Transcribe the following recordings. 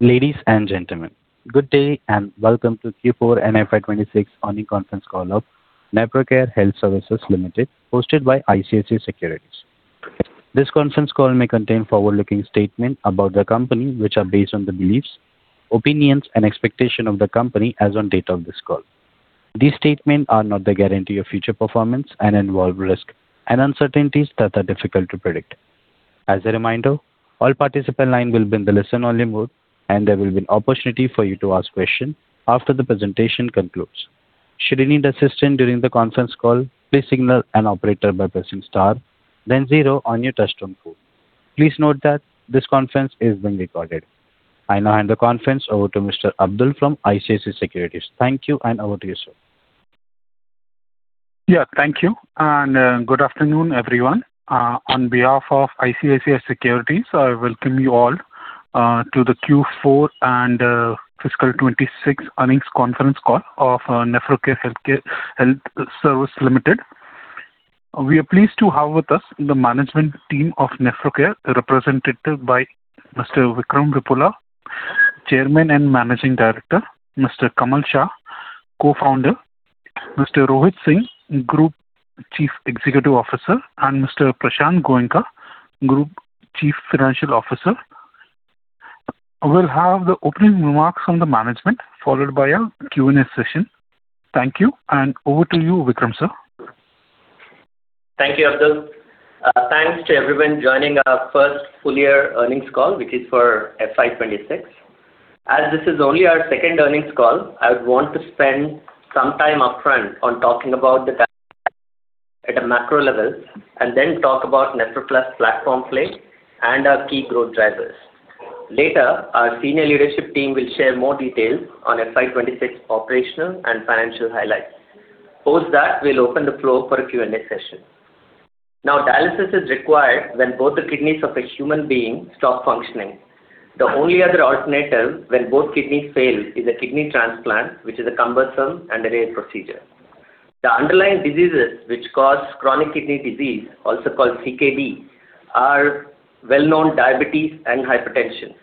Ladies and gentlemen, good day and welcome to Q4 and FY 2026 earnings conference call of Nephrocare Health Services Limited hosted by ICICI Securities. This conference call may contain forward-looking statement about the company which are based on the beliefs, opinions, and expectation of the company as on date of this call. These statement are not the guarantee of future performance and involve risk and uncertainties that are difficult to predict. As a reminder, all participant line will be in the listen-only mode, and there will be an opportunity for you to ask question after the presentation concludes. Should you need assistance during the conference call, please signal an operator by pressing star then zero on your touch-tone phone. Please note that this conference is being recorded. I now hand the conference over to Mr. Abdul from ICICI Securities. Thank you, over to you, sir. Yeah, thank you. Good afternoon, everyone. On behalf of ICICI Securities, I welcome you all to the Q4 and fiscal 2026 earnings conference call of Nephrocare Health Services Limited. We are pleased to have with us the management team of Nephrocare, represented by Mr. Vikram Vuppala, Chairman and Managing Director, Mr. Kamal Shah, Co-founder, Mr. Rohit Singh, Group Chief Executive Officer, and Mr. Prashant Goenka, Group Chief Financial Officer. We'll have the opening remarks from the management, followed by a Q&A session. Thank you. Over to you, Vikram, sir. Thank you, Abdul. Thanks to everyone joining our first full year earnings call, which is for FY 2026. As this is only our second earnings call, I would want to spend some time upfront on talking about the dialysis at a macro level and then talk about NephroPlus platform play and our key growth drivers. Later, our senior leadership team will share more details on FY 2026 operational and financial highlights. Post that, we'll open the floor for a Q&A session. Now, dialysis is required when both the kidneys of a human being stop functioning. The only other alternative when both kidneys fail is a kidney transplant, which is a cumbersome and a rare procedure. The underlying diseases which cause chronic kidney disease, also called CKD, are well-known diabetes and hypertension.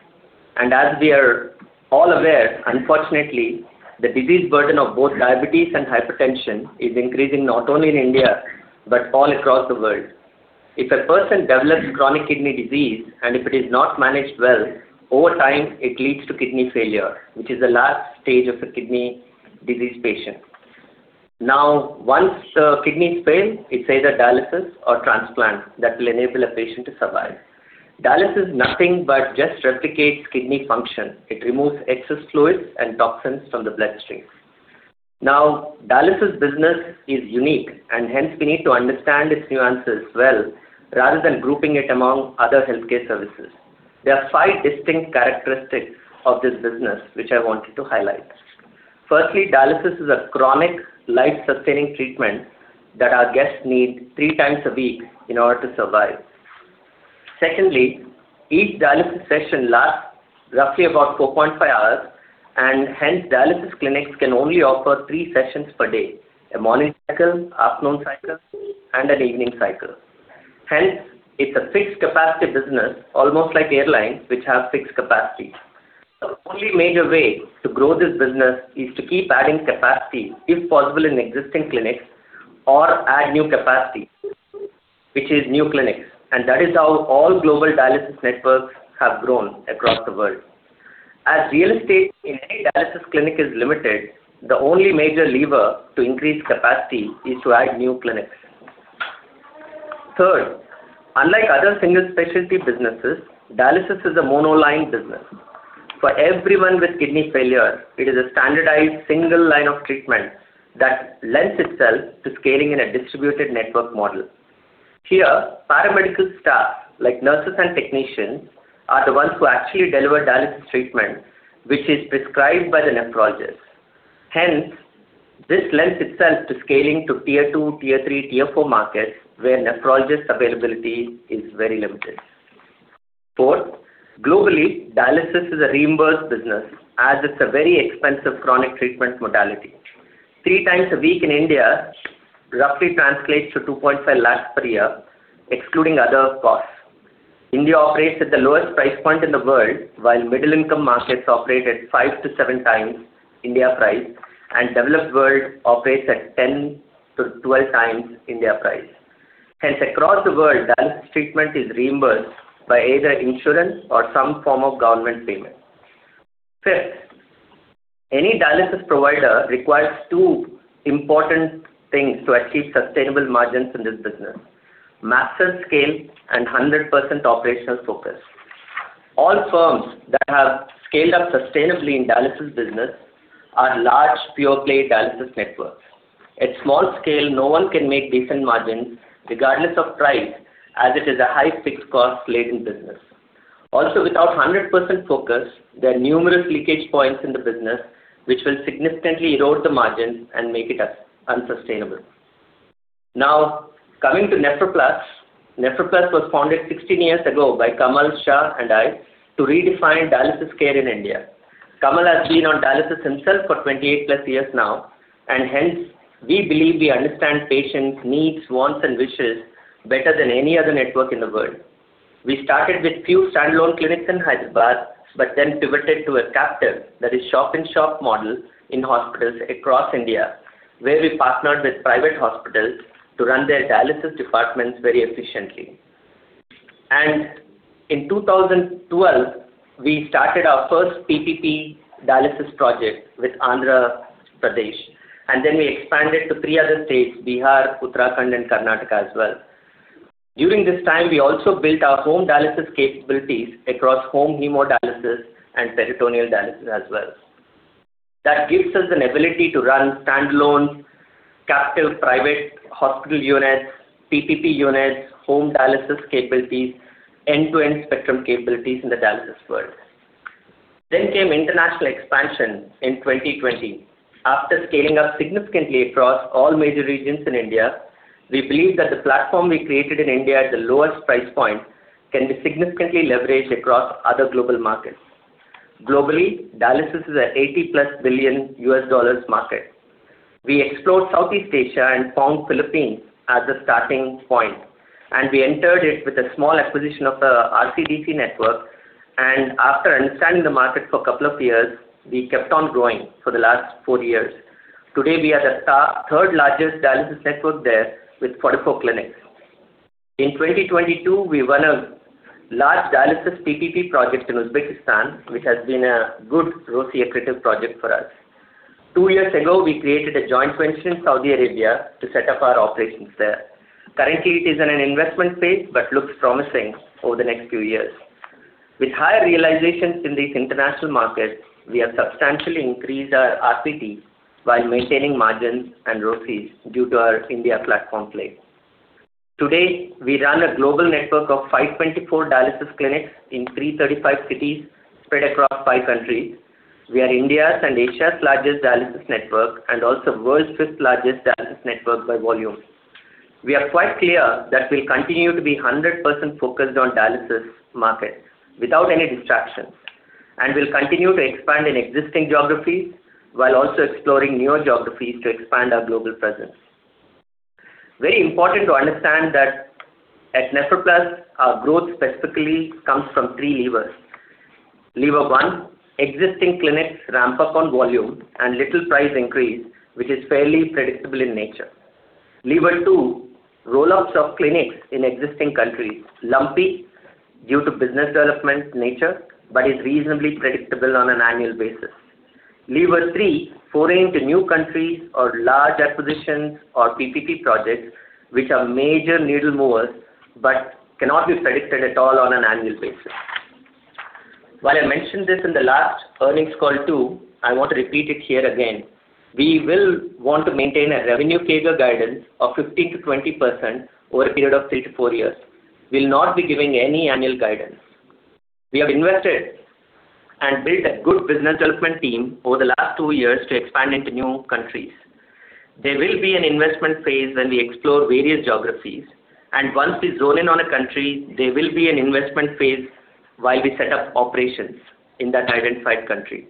As we are all aware, unfortunately, the disease burden of both diabetes and hypertension is increasing not only in India but all across the world. If a person develops chronic kidney disease, and if it is not managed well, over time, it leads to kidney failure, which is the last stage of a kidney disease patient. Now, once the kidneys fail, it's either dialysis or transplant that will enable a patient to survive. Dialysis is nothing but just replicates kidney function. It removes excess fluids and toxins from the bloodstream. Now, dialysis business is unique and, hence, we need to understand its nuances well rather than grouping it among other healthcare services. There are five distinct characteristics of this business which I wanted to highlight. Firstly, dialysis is a chronic life-sustaining treatment that our guests need three times a week in order to survive. Secondly, each dialysis session lasts roughly about 4.5 hours and, hence, dialysis clinics can only offer three sessions per day: a morning cycle, afternoon cycle, and an evening cycle. Hence, it's a fixed capacity business, almost like airlines, which have fixed capacity. The only major way to grow this business is to keep adding capacity, if possible in existing clinics or add new capacity, which is new clinics, and that is how all global dialysis networks have grown across the world. As real estate in any dialysis clinic is limited, the only major lever to increase capacity is to add new clinics. Third, unlike other single-specialty businesses, dialysis is a monoline business. For everyone with kidney failure, it is a standardized single line of treatment that lends itself to scaling in a distributed network model. Here, paramedical staff, like nurses and technicians, are the ones who actually deliver dialysis treatment, which is prescribed by the nephrologist. This lends itself to scaling to Tier 2, Tier 3, Tier 4 markets where nephrologist availability is very limited. Globally, dialysis is a reimbursed business as it's a very expensive chronic treatment modality. Three times a week in India roughly translates to 2.5 lakhs per year, excluding other costs. India operates at the lowest price point in the world, while middle-income markets operate at 5x-7x India price and developed world operates at 10x-12x India price. Across the world, dialysis treatment is reimbursed by either insurance or some form of government payment. Any dialysis provider requires two important things to achieve sustainable margins in this business: massive scale and 100% operational focus. All firms that have scaled up sustainably in dialysis business are large pure-play dialysis networks. At small scale, no one can make decent margins regardless of price, as it is a high fixed cost-laden business. Without 100% focus, there are numerous leakage points in the business which will significantly erode the margins and make it unsustainable. Coming to NephroPlus. NephroPlus was founded 16 years ago by Kamal Shah and I to redefine dialysis care in India. Kamal has been on dialysis himself for 28+ years now, we believe we understand patients' needs, wants, and wishes better than any other network in the world. We started with few standalone clinics in Hyderabad, pivoted to a captive that is shop-in-shop model in hospitals across India, where we partnered with private hospitals to run their dialysis departments very efficiently. In 2012, we started our first PPP dialysis project with Andhra Pradesh, and then we expanded to three other states, Bihar, Uttarakhand, and Karnataka as well. During this time, we also built our home dialysis capabilities across home hemodialysis and peritoneal dialysis as well. That gives us an ability to run standalone captive private hospital units, PPP units, home dialysis capabilities, end-to-end spectrum capabilities in the dialysis world. Came international expansion in 2020. After scaling up significantly across all major regions in India, we believe that the platform we created in India at the lowest price point can be significantly leveraged across other global markets. Globally, dialysis is a $80+ billion market. We explored Southeast Asia and found Philippines as a starting point, and we entered it with a small acquisition of a RCDC network. After understanding the market for a couple of years, we kept on growing for the last 4 years. Today, we are the third-largest dialysis network there with 44 clinics. In 2022, we won a large dialysis PPP project in Uzbekistan, which has been a good ROE accretive project for us. Two years ago, we created a joint venture in Saudi Arabia to set up our operations there. Currently, it is in an investment phase, but looks promising over the next few years. With higher realizations in these international markets, we have substantially increased our RPT while maintaining margins and ROCE due to our India platform play. Today, we run a global network of 524 dialysis clinics in 335 cities spread across five countries. We are India's and Asia's largest dialysis network and also world's fifth-largest dialysis network by volume. We are quite clear that we'll continue to be 100% focused on dialysis market without any distractions, and we'll continue to expand in existing geographies while also exploring newer geographies to expand our global presence. Very important to understand that at NephroPlus, our growth specifically comes from three levers. Lever 1, existing clinics ramp up on volume and little price increase, which is fairly predictable in nature. Lever 2, roll-ups of clinics in existing countries, lumpy due to business development nature, but is reasonably predictable on an annual basis. Lever 3, foray into new countries or large acquisitions or PPP projects, which are major needle movers but cannot be predicted at all on an annual basis. While I mentioned this in the last earnings call too, I want to repeat it here again. We will want to maintain a revenue CAGR guidance of 15%-20% over a period of 3-4 years. We'll not be giving any annual guidance. We have invested and built a good business development team over the last 2 years to expand into new countries. There will be an investment phase when we explore various geographies, and once we zone in on a country, there will be an investment phase while we set up operations in that identified country.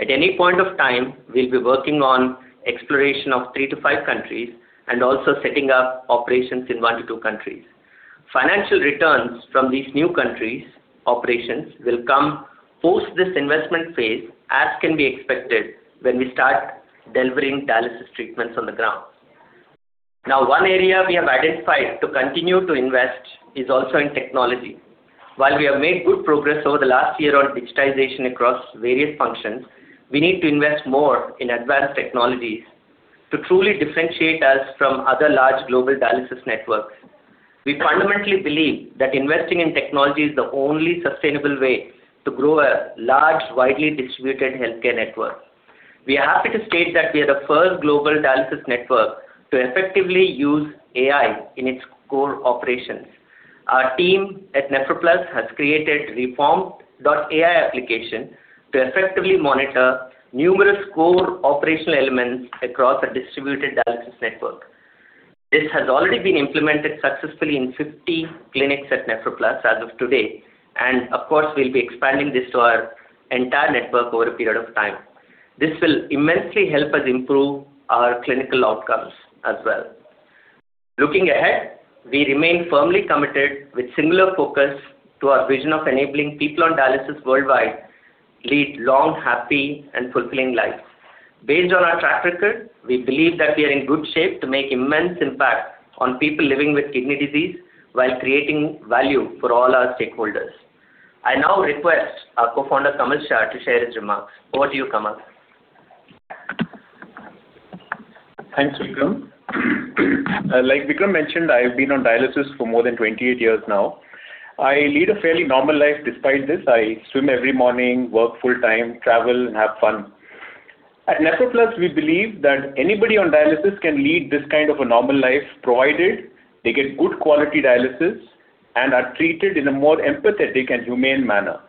At any point of time, we'll be working on exploration of three to five countries and also setting up operations in one to two countries. Financial returns from these new countries operations will come post this investment phase as can be expected when we start delivering dialysis treatments on the ground. Now, one area we have identified to continue to invest is also in technology. While we have made good progress over the last year on digitization across various functions, we need to invest more in advanced technologies to truly differentiate us from other large global dialysis networks. We fundamentally believe that investing in technology is the only sustainable way to grow a large, widely distributed healthcare network. We are happy to state that we are the first global dialysis network to effectively use AI in its core operations. Our team at NephroPlus has created Reform.ai application to effectively monitor numerous core operational elements across a distributed dialysis network. This has already been implemented successfully in 50 clinics at NephroPlus as of today, and of course, we'll be expanding this to our entire network over a period of time. This will immensely help us improve our clinical outcomes as well. Looking ahead, we remain firmly committed with singular focus to our vision of enabling people on dialysis worldwide lead long, happy, and fulfilling lives. Based on our track record, we believe that we are in good shape to make immense impact on people living with kidney disease while creating value for all our stakeholders. I now request our Co-Founder, Kamal Shah, to share his remarks. Over to you, Kamal. Thanks, Vikram. Like Vikram mentioned, I've been on dialysis for more than 28 years now. I lead a fairly normal life despite this. I swim every morning, work full time, travel, and have fun. At NephroPlus, we believe that anybody on dialysis can lead this kind of a normal life, provided they get good quality dialysis and are treated in a more empathetic and humane manner.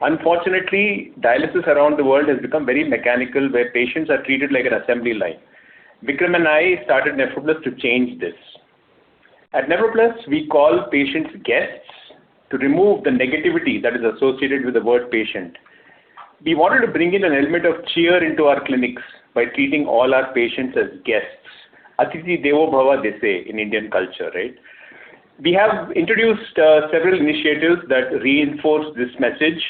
Unfortunately, dialysis around the world has become very mechanical, where patients are treated like an assembly line. Vikram and I started NephroPlus to change this. At NephroPlus, we call patients guests to remove the negativity that is associated with the word patient. We wanted to bring in an element of cheer into our clinics by treating all our patients as guests. They say in Indian culture, right? We have introduced several initiatives that reinforce this message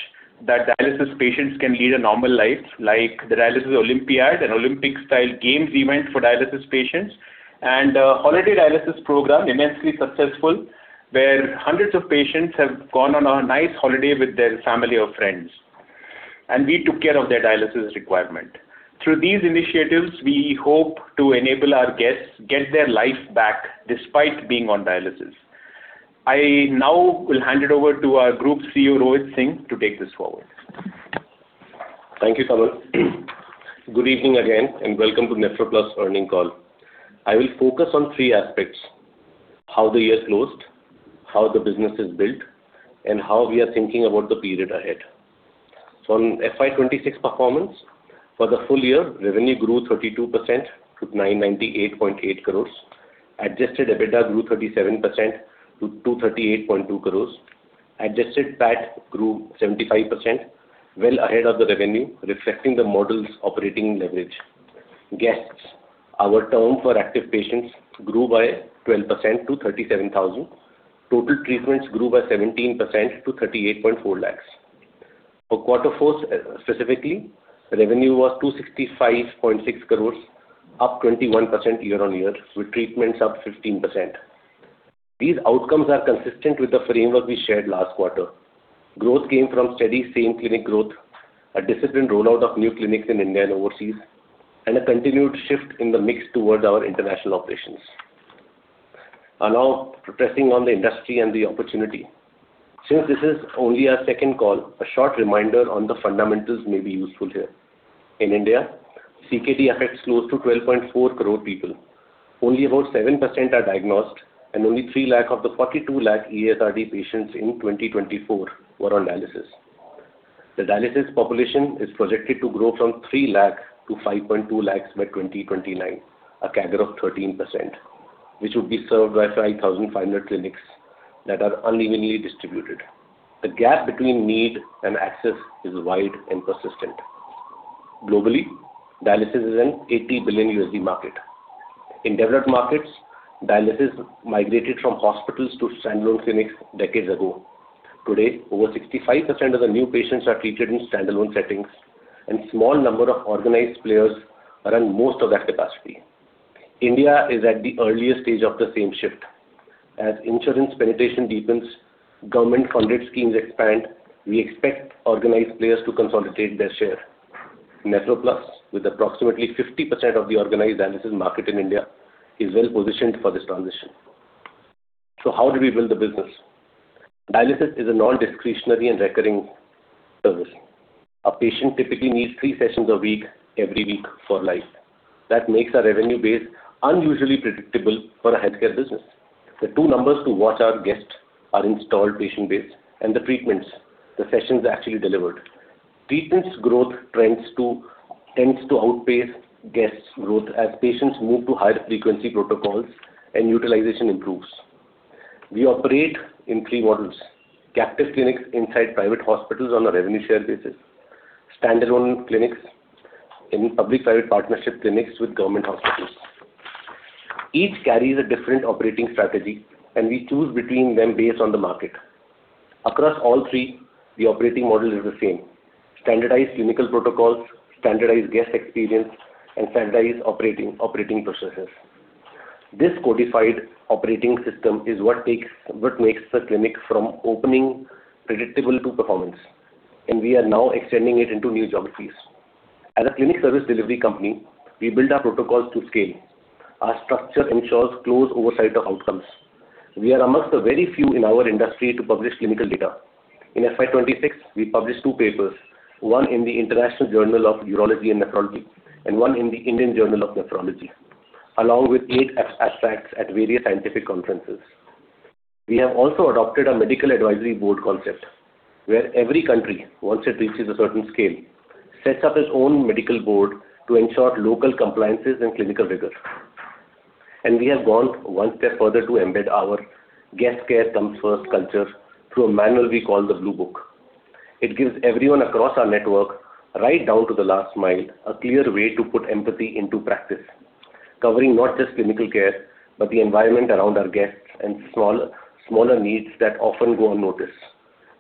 that dialysis patients can lead a normal life, like the Dialysis Olympiad, an Olympic-style games event for dialysis patients, and a holiday dialysis program, immensely successful, where hundreds of patients have gone on a nice holiday with their family or friends, and we took care of their dialysis requirement. Through these initiatives, we hope to enable our guests get their life back despite being on dialysis. I now will hand it over to our Group CEO, Rohit Singh, to take this forward. Thank you, Kamal. Good evening again, welcome to NephroPlus earnings call. I will focus on three aspects: how the year's closed, how the business is built, how we are thinking about the period ahead. On FY 2026 performance, for the full year, revenue grew 32% to 998.8 crores. Adjusted EBITDA grew 37% to 238.2 crores. Adjusted PAT grew 75%, well ahead of the revenue, reflecting the model's operating leverage. Guests, our term for active patients, grew by 12% to 37,000. Total treatments grew by 17% to 38.4 lakhs. For quarter four specifically, revenue was 265.6 crores, up 21% year-on-year, with treatments up 15%. These outcomes are consistent with the framework we shared last quarter. Growth came from steady same-clinic growth, a disciplined rollout of new clinics in India and overseas, and a continued shift in the mix towards our international operations. Now progressing on the industry and the opportunity. Since this is only our second call, a short reminder on the fundamentals may be useful here. In India, CKD affects close to 12.4 crore people. Only about 7% are diagnosed, and only 3 lakh of the 42 lakh ESRD patients in 2024 were on dialysis. The dialysis population is projected to grow from 3 lakh to 5.2 lakh by 2029, a CAGR of 13%, which would be served by 5,500 clinics that are unevenly distributed. The gap between need and access is wide and persistent. Globally, dialysis is an $80 billion market. In developed markets, dialysis migrated from hospitals to standalone clinics decades ago. Today, over 65% of the new patients are treated in standalone settings, and small number of organized players run most of that capacity. India is at the earliest stage of the same shift. As insurance penetration deepens, government-funded schemes expand, we expect organized players to consolidate their share. NephroPlus, with approximately 50% of the organized dialysis market in India, is well-positioned for this transition. How do we build the business? Dialysis is a non-discretionary and recurring service. A patient typically needs three sessions a week, every week for life. That makes our revenue base unusually predictable for a healthcare business. The two numbers to watch are guest, our installed patient base, and the treatments, the sessions actually delivered. Treatments growth tends to outpace guest growth as patients move to higher frequency protocols and utilization improves. We operate in three models: captive clinics inside private hospitals on a revenue share basis, standalone clinics, and public-private partnership clinics with government hospitals. Each carries a different operating strategy, we choose between them based on the market. Across all three, the operating model is the same: standardized clinical protocols, standardized guest experience, and standardized operating processes. This codified operating system is what makes the clinic from opening predictable to performance, we are now extending it into new geographies. As a clinic service delivery company, we build our protocols to scale. Our structure ensures close oversight of outcomes. We are amongst the very few in our industry to publish clinical data. In FY 2026, we published two papers, one in the International Urology and Nephrology and one in the Indian Journal of Nephrology, along with eight abstracts at various scientific conferences. We have also adopted a medical advisory board concept where every country, once it reaches a certain scale, sets up its own medical board to ensure local compliances and clinical rigor. We have gone one step further to embed our guest care comes first culture through a manual we call the Blue Book. It gives everyone across our network, right down to the last mile, a clear way to put empathy into practice, covering not just clinical care, but the environment around our guests and smaller needs that often go unnoticed.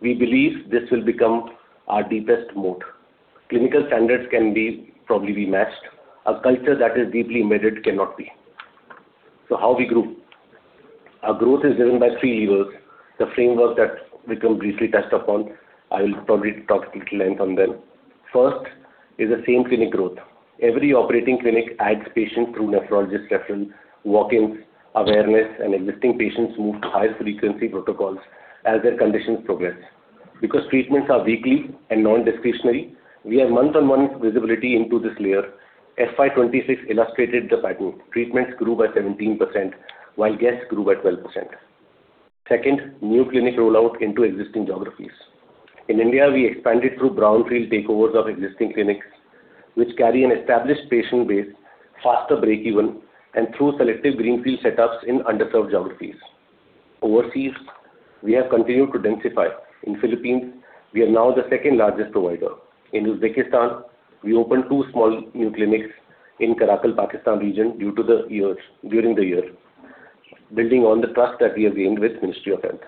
We believe this will become our deepest moat. Clinical standards can probably be matched. A culture that is deeply embedded cannot be. How we grew. Our growth is driven by three levers, the framework that Vikram briefly touched upon. I will probably talk at length on them. First is the same clinic growth. Every operating clinic adds patients through nephrologist referral, walk-ins, awareness, and existing patients move to higher frequency protocols as their conditions progress. Because treatments are weekly and non-discretionary, we have month-on-month visibility into this layer. FY 2026 illustrated the pattern. Treatments grew by 17%, while guests grew by 12%. Second, new clinic rollout into existing geographies. In India, we expanded through brownfield takeovers of existing clinics, which carry an established patient base, faster breakeven, and through selective greenfield setups in underserved geographies. Overseas, we have continued to densify. In Philippines, we are now the second-largest provider. In Uzbekistan, we opened two small new clinics in Karakalpakstan region during the year, building on the trust that we have gained with Ministry of Health.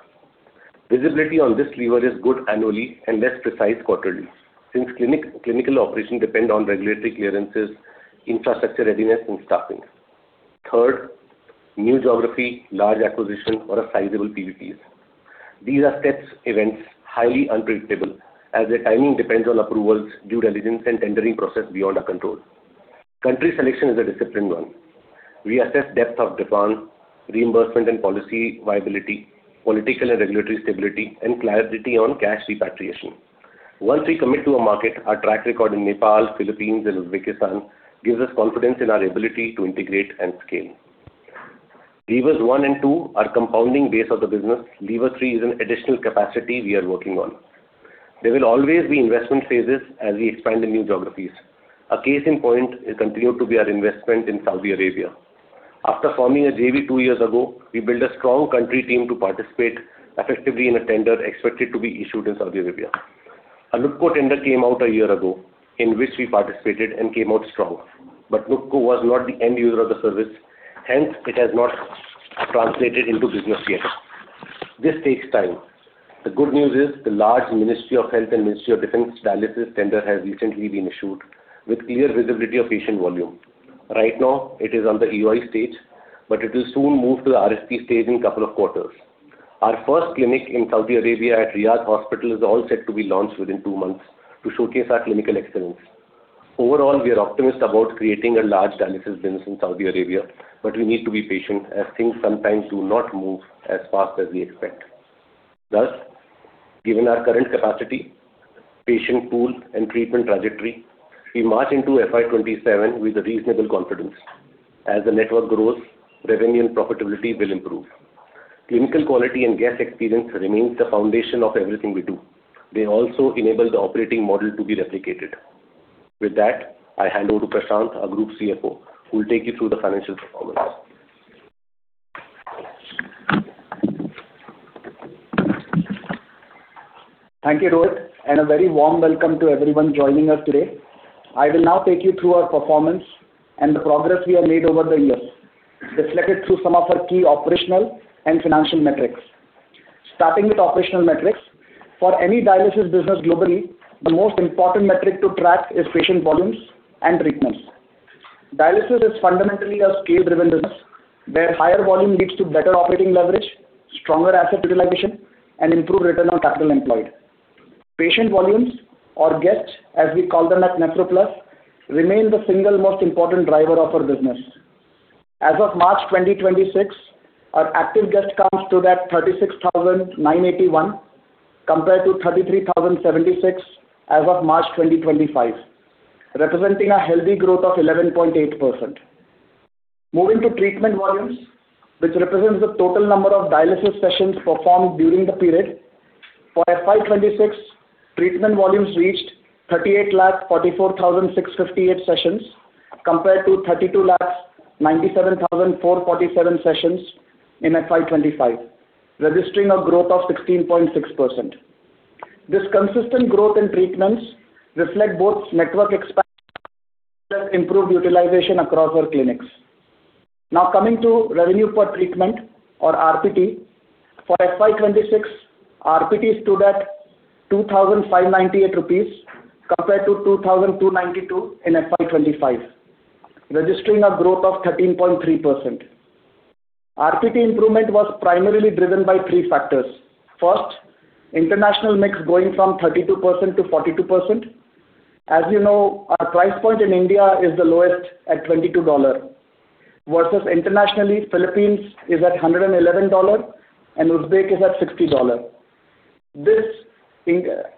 Visibility on this lever is good annually and less precise quarterly, since clinical operation depend on regulatory clearances, infrastructure readiness, and staffing. Third, new geography, large acquisition or a sizable PPPs. These are steps, events, highly unpredictable as their timing depends on approvals, due diligence, and tendering process beyond our control. Country selection is a disciplined one. We assess depth of demand, reimbursement and policy viability, political and regulatory stability, and clarity on cash repatriation. Once we commit to a market, our track record in Nepal, Philippines and Uzbekistan gives us confidence in our ability to integrate and scale. Levers 1 and 2 are compounding base of the business. Lever 3 is an additional capacity we are working on. There will always be investment phases as we expand in new geographies. A case in point is continued to be our investment in Saudi Arabia. After forming a JV 2 years ago, we built a strong country team to participate effectively in a tender expected to be issued in Saudi Arabia. A NUPCO tender came out a year ago, in which we participated and came out strong. NUPCO was not the end user of the service, hence it has not translated into business yet. This takes time. The good news is the large Ministry of Health and Ministry of Defense dialysis tender has recently been issued with clear visibility of patient volume. Right now it is on the EOI stage, but it will soon move to the RFP stage in couple of quarters. Our first clinic in Saudi Arabia at Riyadh Hospital is all set to be launched within two months to showcase our clinical excellence. Overall, we are optimist about creating a large dialysis business in Saudi Arabia, but we need to be patient as things sometimes do not move as fast as we expect. Given our current capacity, patient pool and treatment trajectory, we march into FY 2027 with a reasonable confidence. As the network grows, revenue and profitability will improve. Clinical quality and guest experience remains the foundation of everything we do. They also enable the operating model to be replicated. With that, I hand over to Prashant, our Group CFO, who will take you through the financial performance. Thank you, Rohit. A very warm welcome to everyone joining us today. I will now take you through our performance and the progress we have made over the years, reflected through some of our key operational and financial metrics. Starting with operational metrics. For any dialysis business globally, the most important metric to track is patient volumes and treatments. Dialysis is fundamentally a scale-driven business, where higher volume leads to better operating leverage, stronger asset utilization, and improved return on capital employed. Patient volumes or guests, as we call them at NephroPlus, remain the single most important driver of our business. As of March 2026, our active guest counts stood at 36,981 compared to 33,076 as of March 2025, representing a healthy growth of 11.8%. Moving to treatment volumes, which represents the total number of dialysis sessions performed during the period. For FY 2026, treatment volumes reached 38 lakh 44,658 sessions compared to 32 lakh 97,447 sessions in FY 2025, registering a growth of 16.6%. This consistent growth in treatments reflect both network expansion as well as improved utilization across our clinics. Coming to revenue per treatment or RPT. For FY 2026, RPT stood at 2,598 rupees compared to 2,292 in FY 2025, registering a growth of 13.3%. RPT improvement was primarily driven by three factors. First, international mix going from 32% to 42%. As you know, our price point in India is the lowest at $22 versus internationally, Philippines is at $111 and Uzbek is at $60. This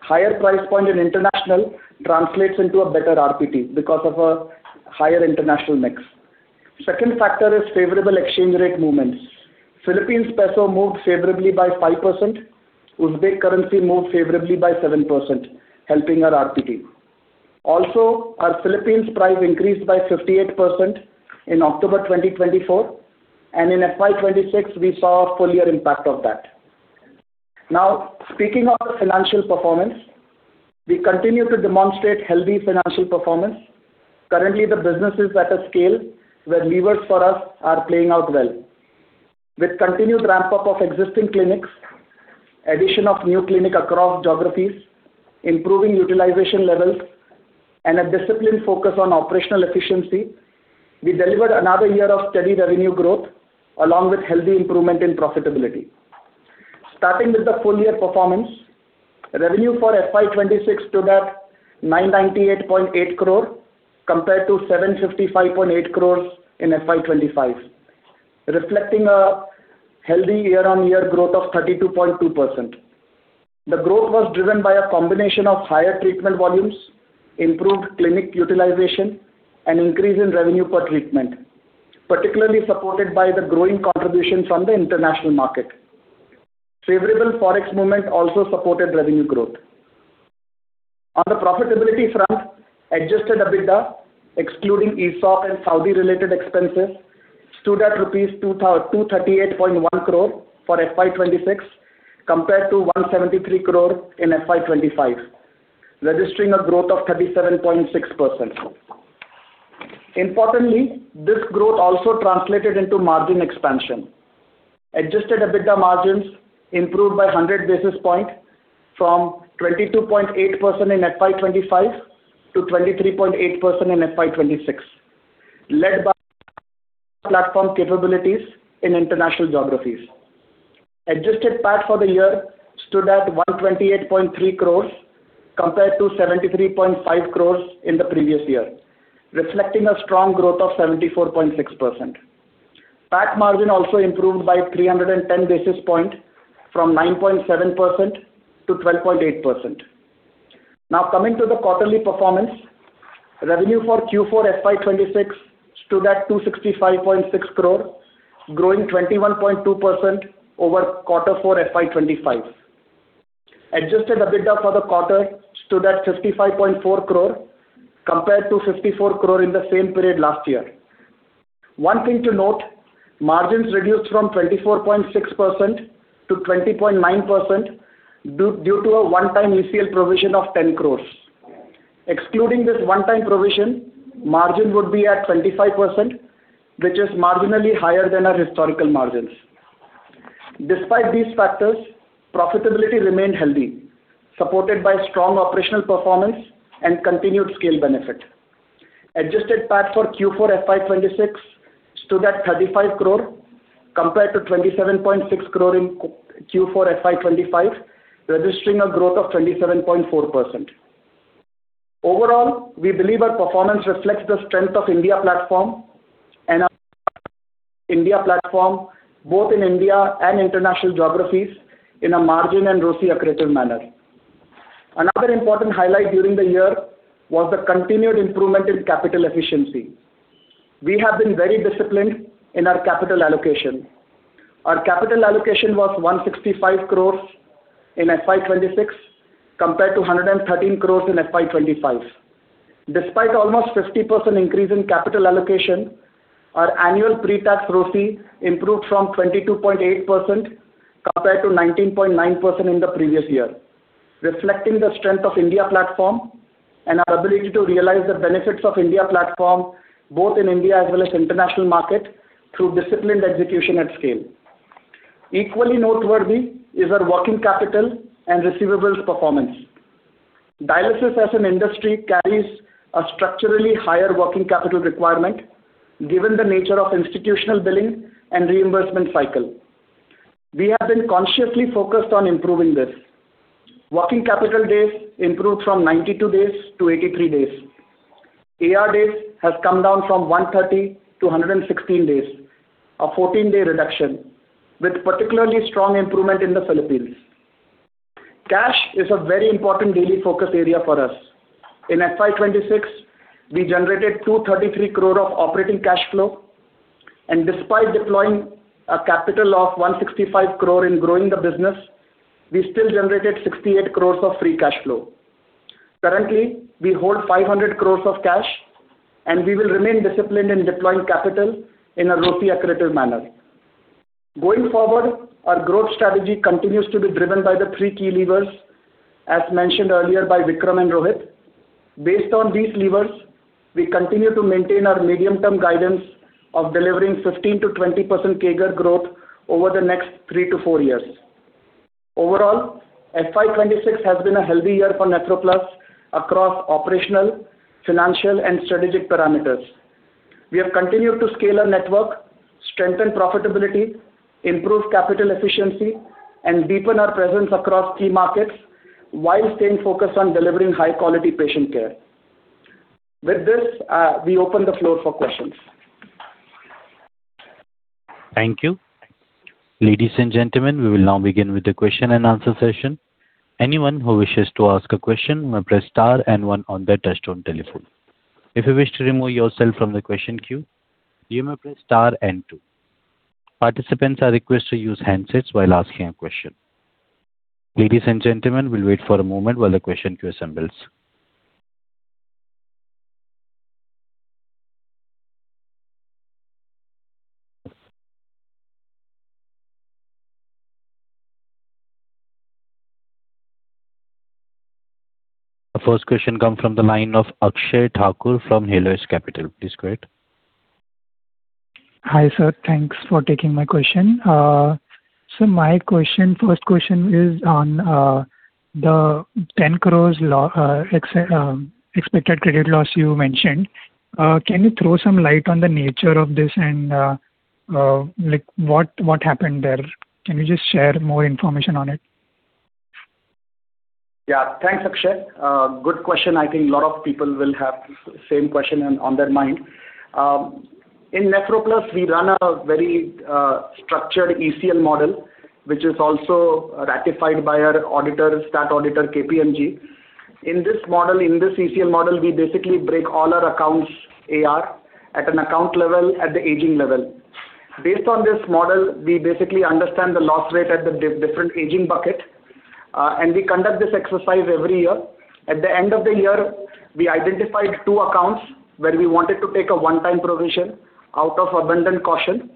higher price point in international translates into a better RPT because of a higher international mix. Second factor is favorable exchange rate movements. Philippine peso moved favorably by 5%. Uzbek currency moved favorably by 7%, helping our RPT. Also, our Philippine price increased by 58% in October 2024, and in FY 2026, we saw a full year impact of that. Speaking of our financial performance, we continue to demonstrate healthy financial performance. Currently, the business is at a scale where levers for us are playing out well. With continued ramp-up of existing clinics, addition of new clinic across geographies, improving utilization levels, and a disciplined focus on operational efficiency, we delivered another year of steady revenue growth along with healthy improvement in profitability. Starting with the full year performance, revenue for FY 2026 stood at 998.8 crore compared to 755.8 crore in FY 2025, reflecting a healthy year-on-year growth of 32.2%. The growth was driven by a combination of higher treatment volumes, improved clinic utilization, and increase in revenue per treatment, particularly supported by the growing contribution from the international market. Favorable forex movement also supported revenue growth. On the profitability front, adjusted EBITDA excluding ESOP and Saudi-related expenses stood at rupees 238.1 crore for FY 2026 compared to 173 crore in FY 2025, registering a growth of 37.6%. Importantly, this growth also translated into margin expansion. Adjusted EBITDA margins improved by 100 basis points from 22.8% in FY 2025 to 23.8% in FY 2026, led by platform capabilities in international geographies. Adjusted PAT for the year stood at 128.3 crores compared to 73.5 crores in the previous year, reflecting a strong growth of 74.6%. PAT margin also improved by 310 basis points from 9.7% to 12.8%. Coming to the quarterly performance. Revenue for Q4 FY 2026 stood at 265.6 crore, growing 21.2% over quarter four FY 2025. Adjusted EBITDA for the quarter stood at 55.4 crore compared to 54 crore in the same period last year. One thing to note, margins reduced from 24.6% to 20.9% due to a one-time ECL provision of 10 crore. Excluding this one-time provision, margin would be at 25%, which is marginally higher than our historical margins. Despite these factors, profitability remained healthy, supported by strong operational performance and continued scale benefit. Adjusted PAT for Q4 FY 2026 stood at 35 crore compared to 27.6 crore in Q4 FY 2025, registering a growth of 27.4%. We believe our performance reflects the strength of India platform, both in India and international geographies in a margin and ROCE accretive manner. Another important highlight during the year was the continued improvement in capital efficiency. We have been very disciplined in our capital allocation. Our capital allocation was 165 crores in FY 2026 compared to 113 crores in FY 2025. Despite almost 50% increase in capital allocation, our annual pre-tax ROCE improved from 22.8% compared to 19.9% in the previous year, reflecting the strength of India Platform and our ability to realize the benefits of India Platform both in India as well as international market through disciplined execution at scale. Equally noteworthy is our working capital and receivables performance. Dialysis as an industry carries a structurally higher working capital requirement given the nature of institutional billing and reimbursement cycle. We have been consciously focused on improving this. Working capital days improved from 92 days to 83 days. AR days has come down from 130 to 116 days, a 14-day reduction with particularly strong improvement in the Philippines. Cash is a very important daily focus area for us. In FY 2026, we generated 233 crore of operating cash flow and despite deploying a capital of 165 crore in growing the business, we still generated 68 crore of free cash flow. Currently, we hold 500 crores of cash, and we will remain disciplined in deploying capital in a ROCE accretive manner. Going forward, our growth strategy continues to be driven by the three key levers as mentioned earlier by Vikram and Rohit. Based on these levers, we continue to maintain our medium-term guidance of delivering 15%-20% CAGR growth over the next 3-4 years. Overall, FY 2026 has been a healthy year for NephroPlus across operational, financial and strategic parameters. We have continued to scale our network, strengthen profitability, improve capital efficiency, and deepen our presence across key markets while staying focused on delivering high quality patient care. With this, we open the floor for questions. Thank you. Ladies and gentlemen, we will now begin with the question-and-answer session. Anyone who wishes to ask a question may press star and one on their touchtone telephone. If you wish to remove yourself from the question queue, you may press star and two. Participants are requested to use handsets while asking a question. Ladies and gentlemen, we'll wait for a moment while the question queue assembles. The first question come from the line of Akshay Thakur from Hillhouse Capital. Please go ahead. Hi, sir. Thanks for taking my question. My question, first question is on the 10 crore expected credit loss you mentioned. Can you throw some light on the nature of this and like what happened there? Can you just share more information on it? Thanks, Akshay. Good question. I think a lot of people will have same question on their mind. In NephroPlus, we run a very structured ECL model, which is also ratified by our auditor, stat auditor, KPMG. In this ECL model, we basically break all our accounts AR at an account level, at the aging level. Based on this model, we basically understand the loss rate at the different aging bucket. We conduct this exercise every year. At the end of the year, we identified two accounts where we wanted to take a one-time provision out of abundant caution.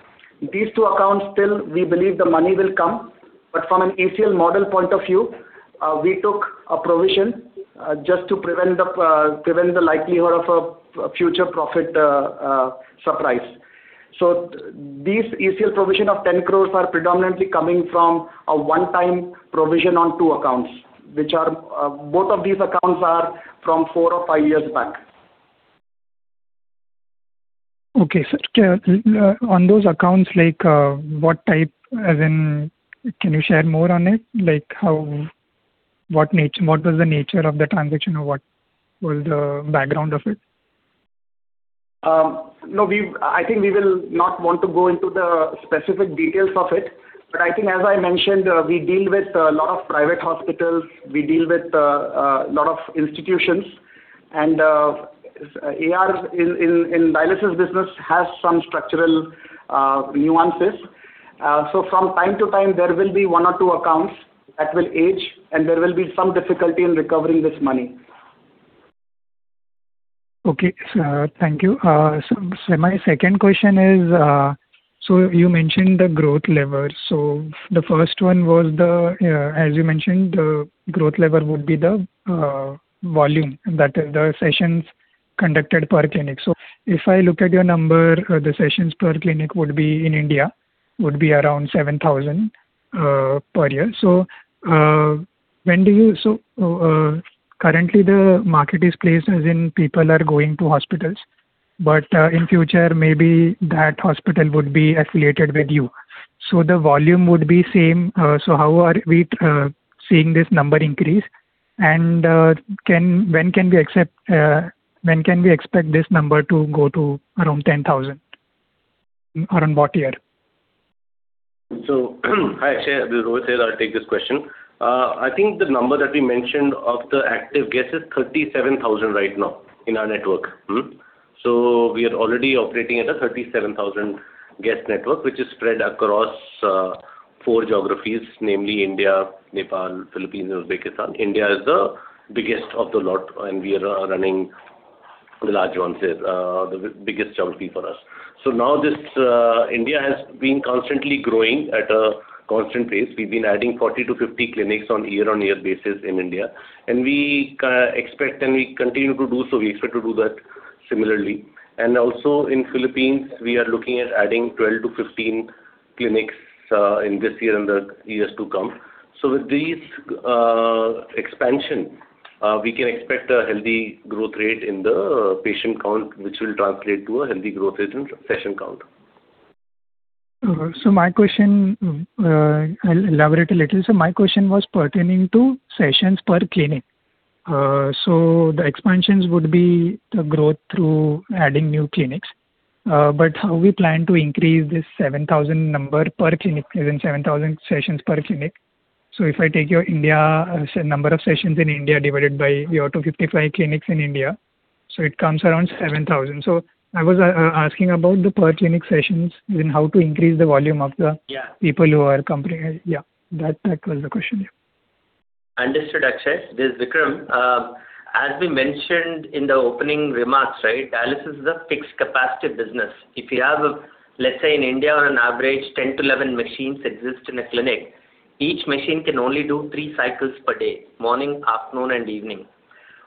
These two accounts still we believe the money will come, from an ECL model point of view, we took a provision just to prevent the likelihood of a future profit surprise. These ECL provision of 10 crores are predominantly coming from a one-time provision on two accounts, which are, both of these accounts are from four or five years back. Okay, sir. Can on those accounts, like, what type, as in can you share more on it? Like how What was the nature of the transaction or what was the background of it? No. I think we will not want to go into the specific details of it. I think as I mentioned, we deal with a lot of private hospitals. We deal with, lot of institutions and AR in dialysis business has some structural nuances. From time to time, there will be one or two accounts that will age, and there will be some difficulty in recovering this money. Okay. Sir, thank you. My second question is, you mentioned the growth lever. The first one was, as you mentioned, growth lever would be the volume that the sessions conducted per clinic. If I look at your number, the sessions per clinic would be in India, would be around 7,000 per year. Currently the market is placed as in people are going to hospitals, but in future, maybe that hospital would be affiliated with you, the volume would be same. How are we seeing this number increase? When can we expect this number to go to around 10,000? Around what year? Hi, Akshay. This is Rohit here. I'll take this question. I think the number that we mentioned of the active guests is 37,000 right now in our network. We are already operating at a 37,000 guest network, which is spread across four geographies, namely India, Nepal, Philippines, and Uzbekistan. India is the biggest of the lot, and we are running the large ones here, the biggest geography for us. Now this India has been constantly growing at a constant pace. We've been adding 40-50 clinics on year-on-year basis in India, and we kinda expect and we continue to do so, we expect to do that similarly. Also in Philippines, we are looking at adding 12-15 clinics in this year and the years to come. With these expansion, we can expect a healthy growth rate in the patient count, which will translate to a healthy growth rate in session count. My question, I'll elaborate a little. My question was pertaining to sessions per clinic. The expansions would be the growth through adding new clinics. How we plan to increase this 7,000 number per clinic, as in 7,000 sessions per clinic. If I take your India number of sessions in India divided by your 255 clinics in India, it comes around 7,000. I was asking about the per clinic sessions, then how to increase the volume of the? Yeah. people who are coming in. Yeah, that was the question. Yeah. Understood, Akshay. This is Vikram. As we mentioned in the opening remarks, right, dialysis is a fixed capacity business. If you have, let's say, in India, on an average, 10-11 machines exist in a clinic, each machine can only do three cycles per day, morning, afternoon, and evening.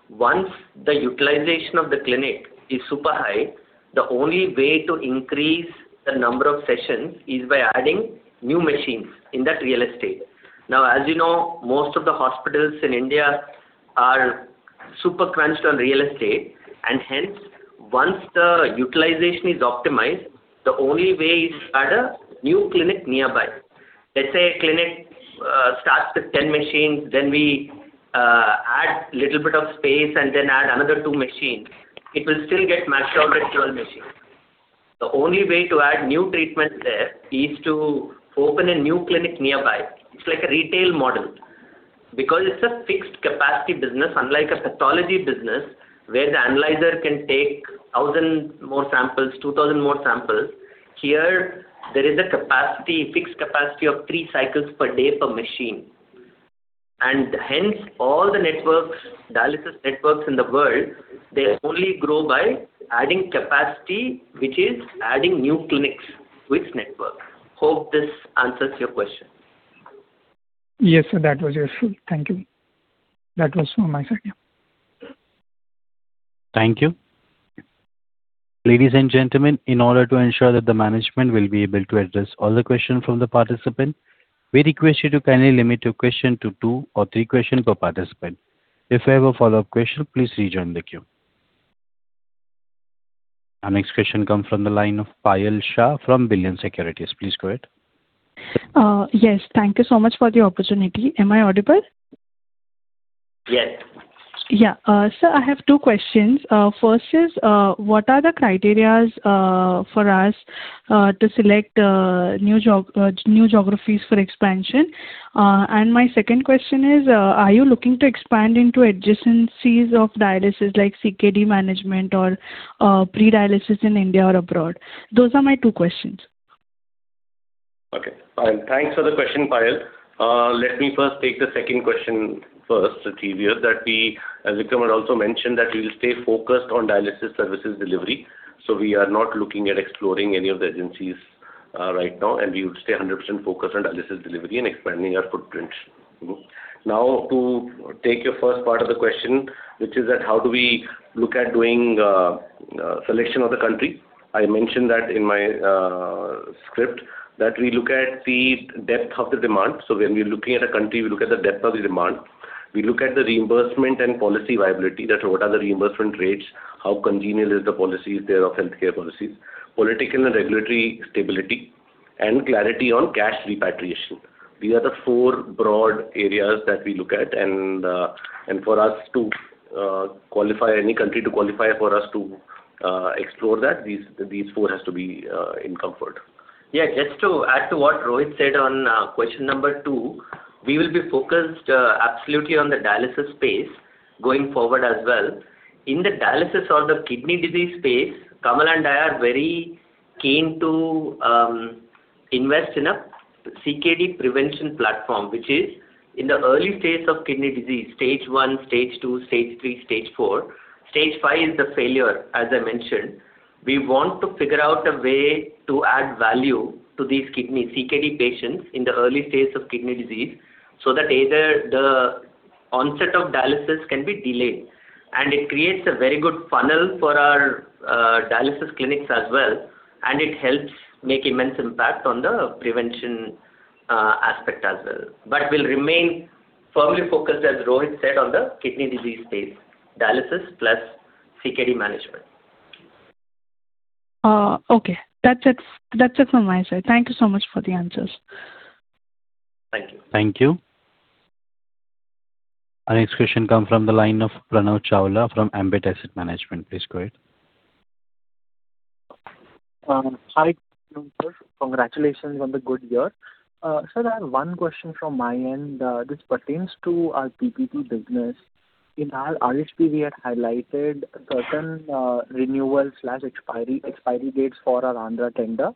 Once the utilization of the clinic is super high, the only way to increase the number of sessions is by adding new machines in that real estate. Now, as you know, most of the hospitals in India are super crunched on real estate, and hence, once the utilization is optimized, the only way is to add a new clinic nearby. Let's say a clinic starts with 10 machines, then we add little bit of space and then add another two machines. It will still get maxed out at 12 machines. The only way to add new treatment there is to open a new clinic nearby. It's like a retail model. It's a fixed capacity business, unlike a pathology business, where the analyzer can take 1,000 more samples, 2,000 more samples. Here, there is a capacity, fixed capacity of three cycles per day per machine. Hence, all the networks, dialysis networks in the world, they only grow by adding capacity, which is adding new clinics with network. Hope this answers your question. Yes, sir. That was useful. Thank you. That was from my side. Yeah. Thank you. Ladies and gentlemen, in order to ensure that the management will be able to address all the questions from the participant, we request you to kindly limit your question to two or three question per participant. If you have a follow-up question, please rejoin the queue. Our next question comes from the line of Payal Shah from Billion Securities. Please go ahead. Yes. Thank you so much for the opportunity. Am I audible? Yes. Yeah. Sir, I have two questions. First is, what are the criteria for us to select new geographies for expansion? My second question is, are you looking to expand into adjacencies of dialysis like CKD management or pre-dialysis in India or abroad? Those are my two questions. Okay, fine. Thanks for the question, Payal. Let me first take the second question first, the previous, that As Vikram had also mentioned that we will stay focused on dialysis services delivery, so we are not looking at exploring any of the adjacencies right now, and we would stay 100% focused on dialysis delivery and expanding our footprint. To take your first part of the question, which is that how do we look at doing selection of the country, I mentioned that in my script that we look at the depth of the demand. When we're looking at a country, we look at the depth of the demand. We look at the reimbursement and policy viability, that what are the reimbursement rates, how congenial is the policies there of healthcare policies, political and regulatory stability, and clarity on cash repatriation. These are the four broad areas that we look at and for us to qualify any country for us to explore that, these four has to be in comfort. Yeah, just to add to what Rohit said on, question number 2, we will be focused, absolutely on the dialysis space going forward as well. In the dialysis or the kidney disease space, Kamal and I are very keen to invest in a CKD prevention platform, which is in the early stage of kidney disease, Stage 1, Stage 2, Stage 3, Stage 4. Stage 5 is the failure, as I mentioned. We want to figure out a way to add value to these kidney, CKD patients in the early stage of kidney disease, so that either the onset of dialysis can be delayed. It creates a very good funnel for our dialysis clinics as well, and it helps make immense impact on the prevention, aspect as well. We'll remain firmly focused, as Rohit said, on the kidney disease space, dialysis plus CKD management. Okay. That's it. That's it from my side. Thank you so much for the answers. Thank you. Thank you. Our next question come from the line of Pranav Chawla from Ambit Asset Management. Please go ahead. Hi, good morning, sir. Congratulations on the good year. Sir, I have one question from my end. This pertains to our PPP business. In our RHP, we had highlighted certain renewal/expiry dates for our Andhra tender.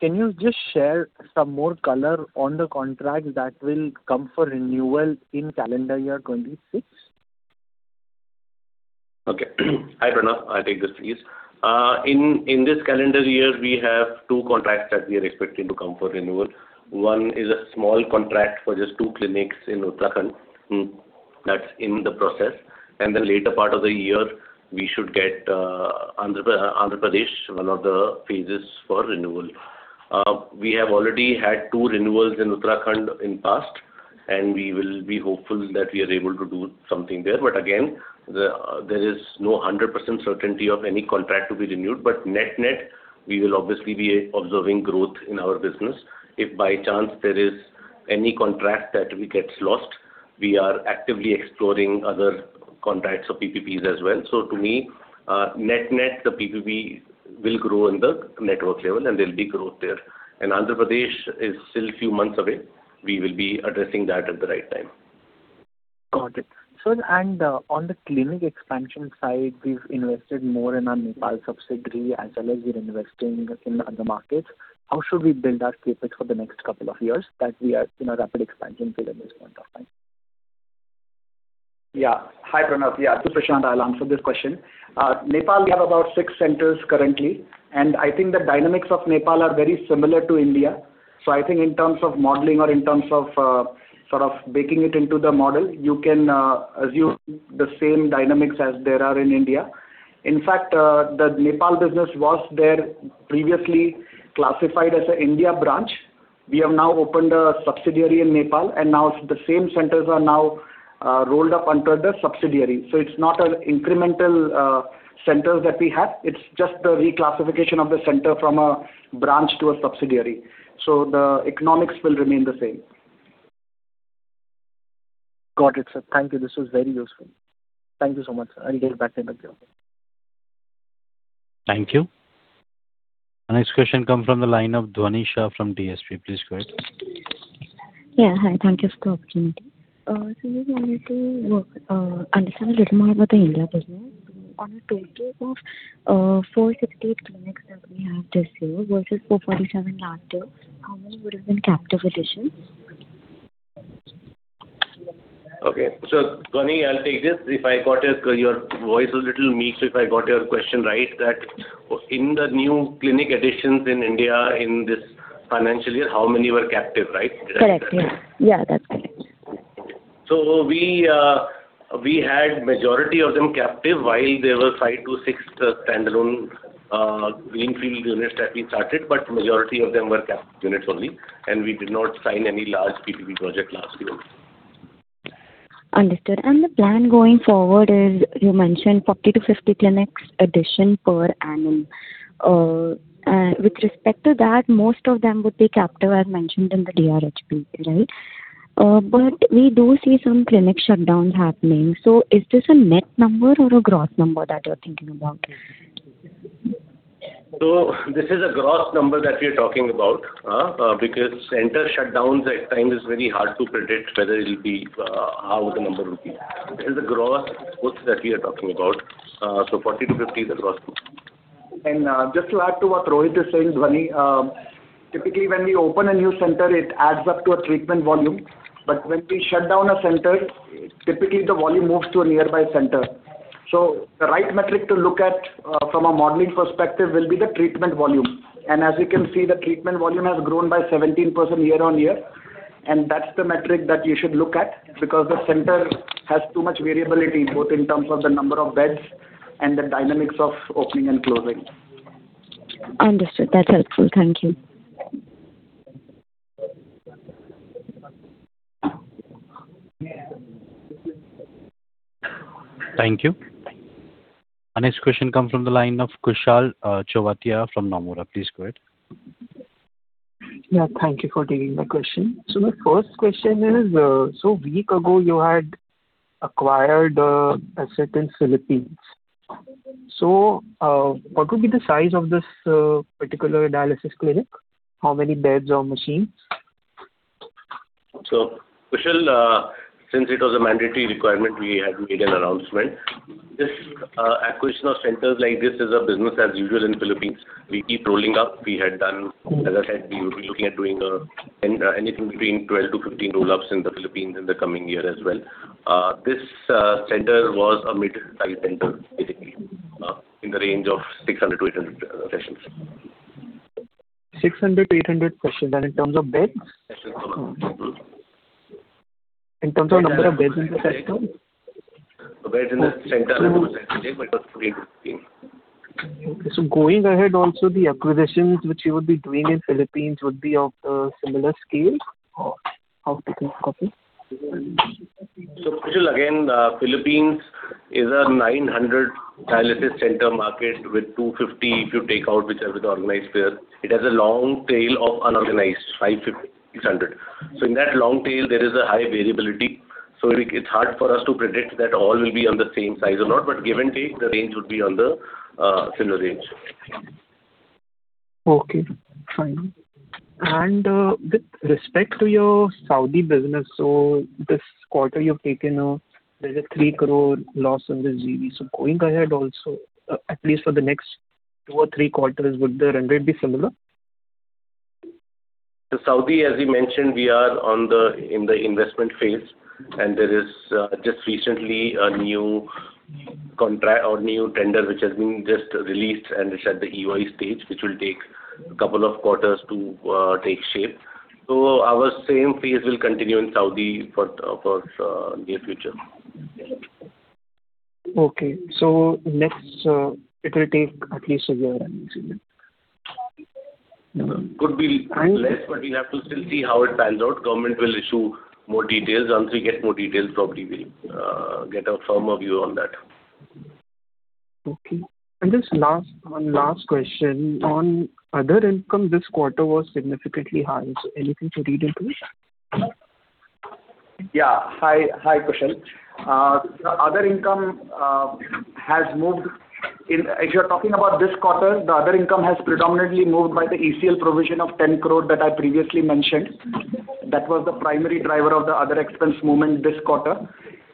Can you just share some more color on the contract that will come for renewal in calendar year 2026? Hi, Pranav. I'll take this, please. In this calendar year, we have two contracts that we are expecting to come for renewal. One is a small contract for just two clinics in Uttarakhand. That's in the process. Later part of the year, we should get Andhra Pradesh, one of the phases for renewal. We have already had two renewals in Uttarakhand in past. We will be hopeful that we are able to do something there. Again, there is no 100% certainty of any contract to be renewed. Net-net, we will obviously be observing growth in our business. If by chance there is any contract that we gets lost, we are actively exploring other contracts or PPPs as well. To me, net-net, the PPP will grow in the network level, and there'll be growth there. Andhra Pradesh is still few months away. We will be addressing that at the right time. Got it. Sir, on the clinic expansion side, we've invested more in our Nepal subsidiary as well as we're investing in other markets. How should we build our CapEx for the next couple of years that we are in a rapid expansion phase at this point of time? Hi, Pranav. This is Prashant. I'll answer this question. Nepal, we have about six centers currently. I think the dynamics of Nepal are very similar to India. I think in terms of modeling or in terms of sort of baking it into the model, you can assume the same dynamics as there are in India. In fact, the Nepal business was previously classified as an India branch. We have now opened a subsidiary in Nepal. Now the same centers are now rolled up under the subsidiary. It's not an incremental centers that we have. It's just the reclassification of the center from a branch to a subsidiary. The economics will remain the same. Got it, sir. Thank you. This was very useful. Thank you so much, sir. I'll get back later. Thank you. Our next question come from the line of Dhvani Shah from DSP. Please go ahead. Yeah. Hi. Thank you for the opportunity. Sir, we wanted to understand a little more about the India business. On a total of 468 clinics that we have this year versus 447 last year, how many would have been captive additions? Dhvani, I'll take this. If I got it, your voice was little meek, so if I got your question right, that in the new clinic additions in India in this financial year, how many were captive, right? Correct. Yeah. Yeah, that's correct. We had majority of them captive, while there were 5-6 standalone greenfield units that we started, but majority of them were captive units only. We did not sign any large PPP project last year. Understood. The plan going forward is you mentioned 40-50 clinics addition per annum. With respect to that, most of them would be CapEx as mentioned in the DRHP, right? We do see some clinic shutdowns happening. Is this a net number or a gross number that you're thinking about? This is a gross number that we are talking about, because center shutdowns at times is very hard to predict whether it'll be, how the number would be. It is a gross number that we are talking about. 40-50 is a gross number. Just to add to what Rohit is saying, Dhvani, typically, when we open a new center, it adds up to a treatment volume. When we shut down a center, typically the volume moves to a nearby center. The right metric to look at from a modeling perspective will be the treatment volume. As you can see, the treatment volume has grown by 17% year-on-year. That's the metric that you should look at because the center has too much variability, both in terms of the number of beds and the dynamics of opening and closing. Understood. That's helpful. Thank you. Thank you. Our next question comes from the line of Kushal Chovatia from Nomura. Please go ahead. Yeah. Thank you for taking my question. The first question is, week ago you had acquired a center in Philippines. What would be the size of this particular dialysis clinic? How many beds or machines? Kushal, since it was a mandatory requirement, we had made an announcement. This acquisition of centers like this is a business as usual in Philippines. We keep rolling up. As I said, we would be looking at doing anything between 12-15 roll-ups in the Philippines in the coming year as well. This center was a midsize center, basically, in the range of 600-800 sessions. 600-800 sessions. In terms of beds? In terms of number of beds in the system. Beds in the center. Going ahead also the acquisitions which you would be doing in Philippines would be of a similar scale or how to think of it? Kushal, again, Philippines is a 900 dialysis center market with 250 if you take out whichever the organized there. It has a long tail of unorganized, 550, 600. In that long tail, there is a high variability. It's hard for us to predict that all will be on the same size or not. Give and take, the range would be on the similar range. Okay, fine. With respect to your Saudi business, this quarter, there's a 3 crore loss in the JV. Going ahead also, at least for the next two or three quarters, would the trend be similar? The Saudi, as we mentioned, we are on the investment phase, and there is just recently a new contract or new tender which has been just released, and it's at the EOI stage, which will take a couple of quarters to take shape. Our same phase will continue in Saudi for near future. Okay. Next, it will take at least a year, I'm assuming. Could be less- And- We have to still see how it pans out. government will issue more details. Once we get more details, probably we'll get a firmer view on that. Okay. Just one last question. On other income, this quarter was significantly high. Anything to read into it? Hi. Hi, Kushal. Other income. If you're talking about this quarter, the other income has predominantly moved by the ECL provision of 10 crore that I previously mentioned. That was the primary driver of the other expense movement this quarter.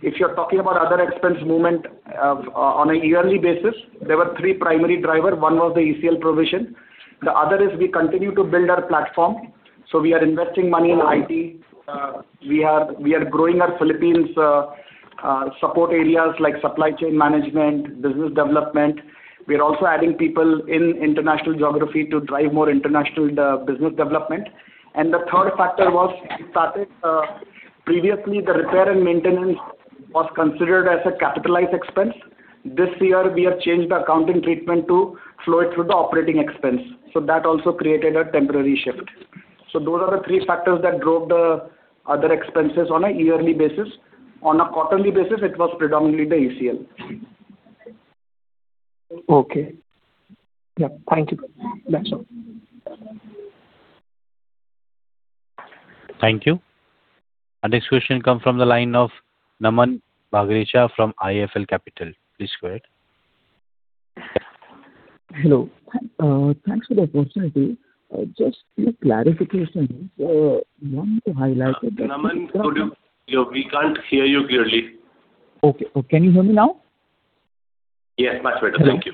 If you're talking about other expense movement on a yearly basis, there were three primary driver. One was the ECL provision. The other is we continue to build our platform. We are investing money in IT. We are growing our Philippines support areas like supply chain management, business development. We are also adding people in international geography to drive more international business development. The third factor was previously the repair and maintenance was considered as a capitalized expense. This year we have changed the accounting treatment to flow it through the operating expense. That also created a temporary shift. Those are the three factors that drove the other expenses on a yearly basis. On a quarterly basis, it was predominantly the ECL. Okay. Yeah. Thank you. That's all. Thank you. Our next question come from the line of Naman Bagrecha from IIFL Capital. Please go ahead. Hello. Thanks for the opportunity. Just few clarifications. One to highlight. Naman, we can't hear you clearly. Okay. Can you hear me now? Yeah, much better. Thank you.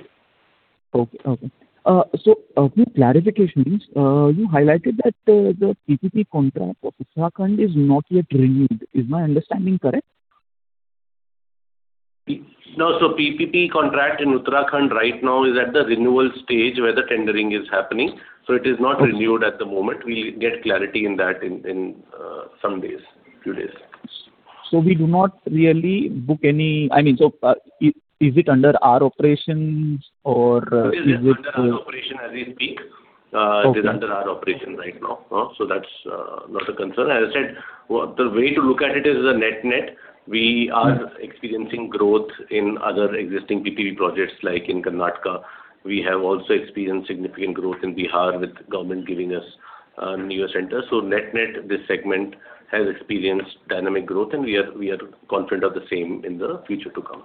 Okay. Okay. A few clarifications. You highlighted that, the PPP contract of Uttarakhand is not yet renewed. Is my understanding correct? No. PPP contract in Uttarakhand right now is at the renewal stage where the tendering is happening. It is not renewed at the moment. We'll get clarity in that in some days, few days. We do not really book any I mean, so, is it under our operations or? It is under our operation as we speak, it is under our operation right now. That's not a concern. As I said, the way to look at it is the net-net. We are experiencing growth in other existing PPP projects, like in Karnataka. We have also experienced significant growth in Bihar with government giving us newer centers. Net-net, this segment has experienced dynamic growth, and we are confident of the same in the future to come.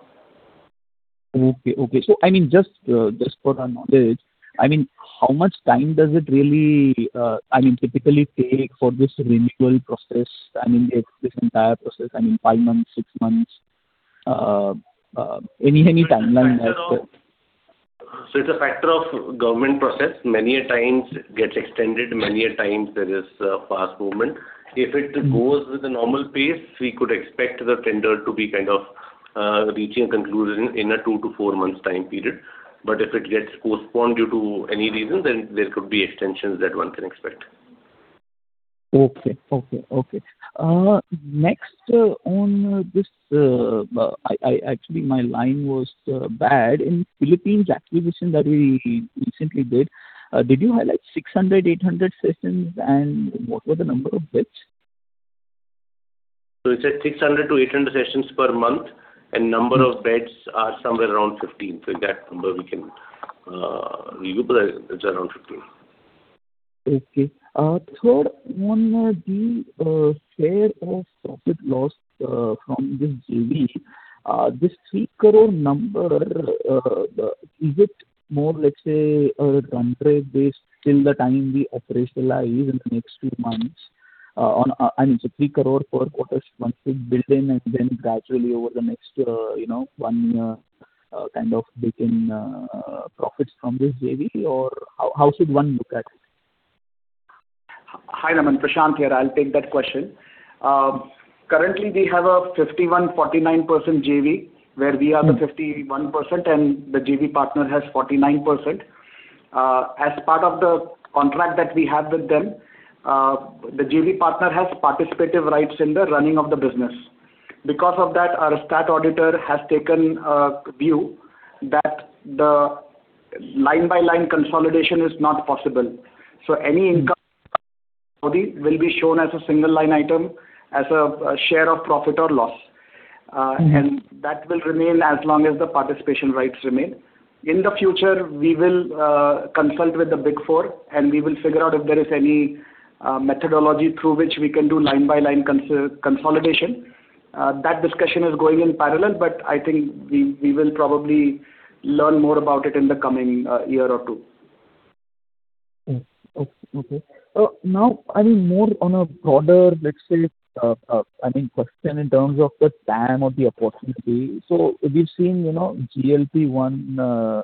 Okay. Okay. I mean, just for our knowledge, I mean, how much time does it really, I mean, typically take for this renewal process? I mean, this entire process, I mean, 5 months, 6 months? Any timeline as such? It's a factor of government process. Many a times it gets extended, many a times there is fast movement. If it goes with the normal pace, we could expect the tender to be kind of reaching a conclusion in a 2-4 months time period. If it gets postponed due to any reason, then there could be extensions that one can expect. Okay. Okay. Okay. Actually my line was bad. In Philippines acquisition that we recently did you highlight 600, 800 sessions, and what were the number of beds? It's at 600-800 sessions per month, and number of beds are somewhere around 15. That number we can review, but it's around 15. Okay. third, on the share of profit loss from this JV, this 3 crore number, the Is it more, let's say, a contract based till the time we operationalize in the next few months, on a I mean, so 3 crore per quarter once we build in and then gradually over the next, you know, one, kind of break in profits from this JV? Or how should one look at it? Hi, Naman. Prashant here. I'll take that question. Currently we have a 51%/49% JV, where we have the 51% and the JV partner has 49%. As part of the contract that we have with them, the JV partner has participative rights in the running of the business. Because of that, our stat auditor has taken a view that the line-by-line consolidation is not possible. Any income will be shown as a single line item as a share of profit or loss. And that will remain as long as the participation rights remain. In the future, we will consult with the Big Four, and we will figure out if there is any methodology through which we can do line-by-line consolidation. That discussion is going in parallel, but I think we will probably learn more about it in the coming year or two. Okay. Now, I mean more on a broader, let's say, I mean, question in terms of the TAM of the opportunity. We've seen, you know, GLP-1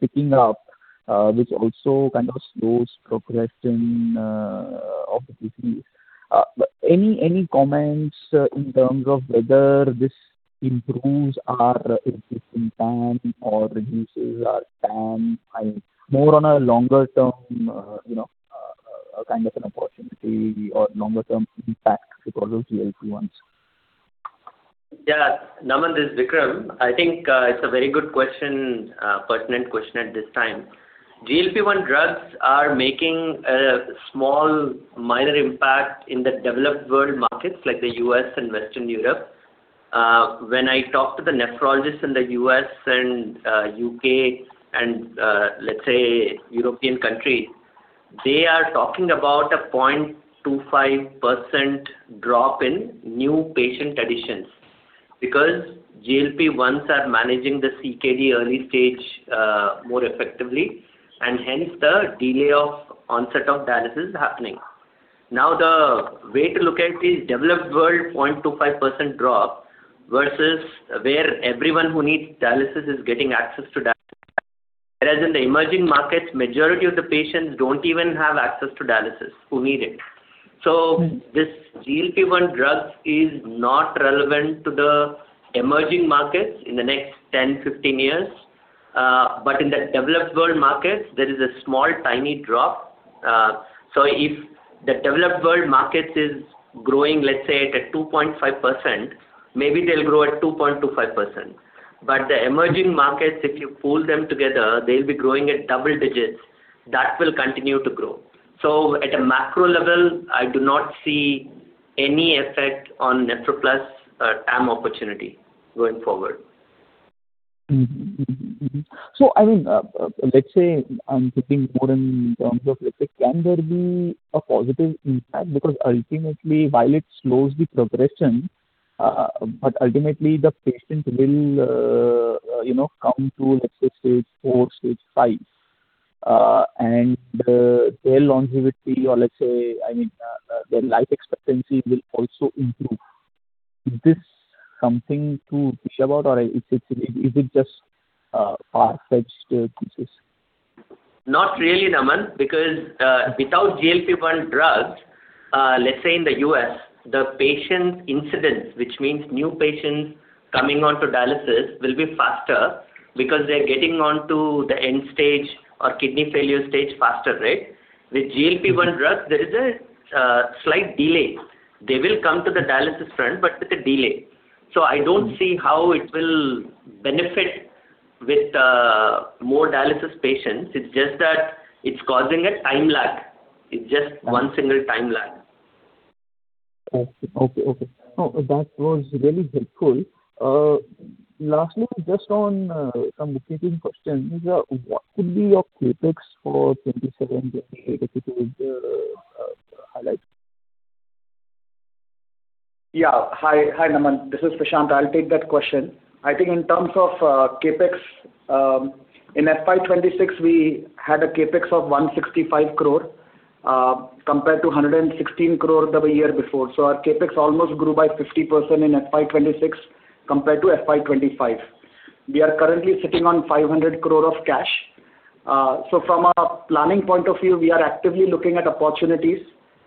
picking up, which also kind of slows progression of the disease. Any, any comments in terms of whether this improves our existing TAM or reduces our TAM? I mean, more on a longer term, kind of an opportunity or longer term impact because of GLP-1s. Naman, this is Vikram. I think it's a very good question, pertinent question at this time. GLP-1 drugs are making a small minor impact in the developed world markets like the U.S. and Western Europe. When I talk to the nephrologists in the U.S. and U.K. and, let's say European countries, they are talking about a 0.25% drop in new patient additions because GLP-1s are managing the CKD early stage more effectively, and hence the delay of onset of dialysis happening. The way to look at the developed world 0.25% drop versus where everyone who needs dialysis is getting access to dialysis. Whereas in the emerging markets, majority of the patients don't even have access to dialysis who need it. This GLP-1 drug is not relevant to the emerging markets in the next 10, 15 years. In the developed world markets, there is a small, tiny drop. If the developed world markets is growing, let's say, at a 2.5%, maybe they'll grow at 2.25%. The emerging markets, if you pool them together, they'll be growing at double-digits. That will continue to grow. At a macro level, I do not see any effect on NephroPlus TAM opportunity going forward. Mm-hmm. I mean, let's say I'm thinking more in terms of like, can there be a positive impact? Because ultimately, while it slows the progression, but ultimately the patient will, you know, come to let's say Stage 4, Stage 5, and their longevity or let's say, I mean, their life expectancy will also improve. Is this something to wish about or is it just a far-fetched thesis? Not really, Naman, because without GLP-1 drugs, let's say in the U.S., the patient incidence, which means new patients coming onto dialysis, will be faster because they're getting onto the end-stage or kidney failure stage faster, right? With GLP-1 drugs, there is a slight delay. They will come to the dialysis front, but with a delay. I don't see how it will benefit with more dialysis patients. It's just that it's causing a time lag. It's just one single time lag. Okay. Okay. Okay. No, that was really helpful. Lastly, just on some repeating questions. What could be your CapEx for 2027 if you could highlight? Yeah. Hi. Hi, Naman. This is Prashant. I'll take that question. I think in terms of CapEx, in FY 2026 we had a CapEx of 165 crore compared to 116 crore the year before. Our CapEx almost grew by 50% in FY 2026 compared to FY 2025. We are currently sitting on 500 crore of cash. From a planning point of view, we are actively looking at opportunities,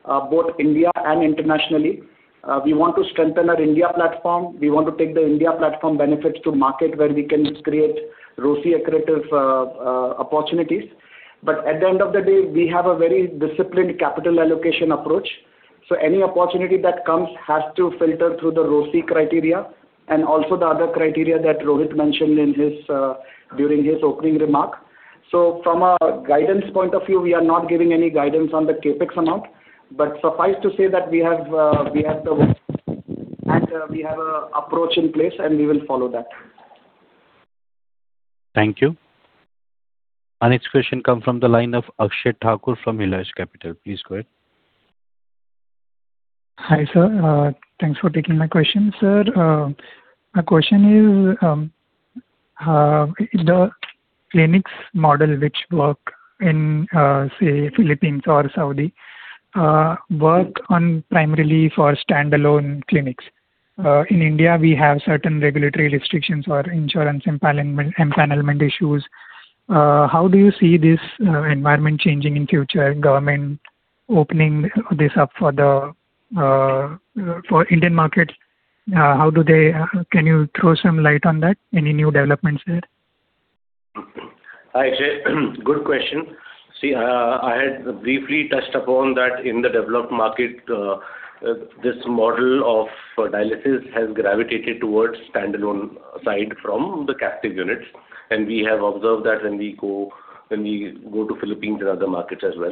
both India and internationally. We want to strengthen our India platform. We want to take the India platform benefits to market where we can create ROCE accretive opportunities. At the end of the day, we have a very disciplined capital allocation approach. Any opportunity that comes has to filter through the ROCE criteria and also the other criteria that Rohit mentioned in his during his opening remark. From a guidance point of view, we are not giving any guidance on the CapEx amount. Suffice to say that we have, we have the and we have a approach in place, and we will follow that. Thank you. Our next question come from the line of Akshay Thakur from Hillhouse Capital. Please go ahead. Hi, sir. Thanks for taking my question, sir. My question is, the clinics model which work in, say, Philippines or Saudi, work on primarily for standalone clinics. In India, we have certain regulatory restrictions or insurance empanelment issues. How do you see this environment changing in future, government opening this up for the Indian markets? Can you throw some light on that? Any new developments there? Hi, Akshay. Good question. See, I had briefly touched upon that in the developed market, this model of dialysis has gravitated towards standalone aside from the captive units, and we have observed that when we go to Philippines and other markets as well.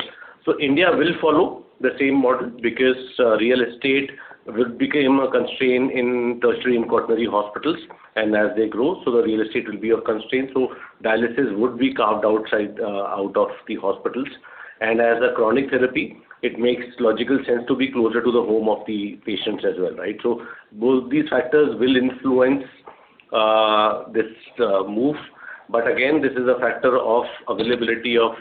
India will follow the same model because real estate will become a constraint in tertiary and quaternary hospitals. As they grow, the real estate will be of constraint, dialysis would be carved outside out of the hospitals. As a chronic therapy, it makes logical sense to be closer to the home of the patients as well, right? Both these factors will influence this move. Again, this is a factor of availability of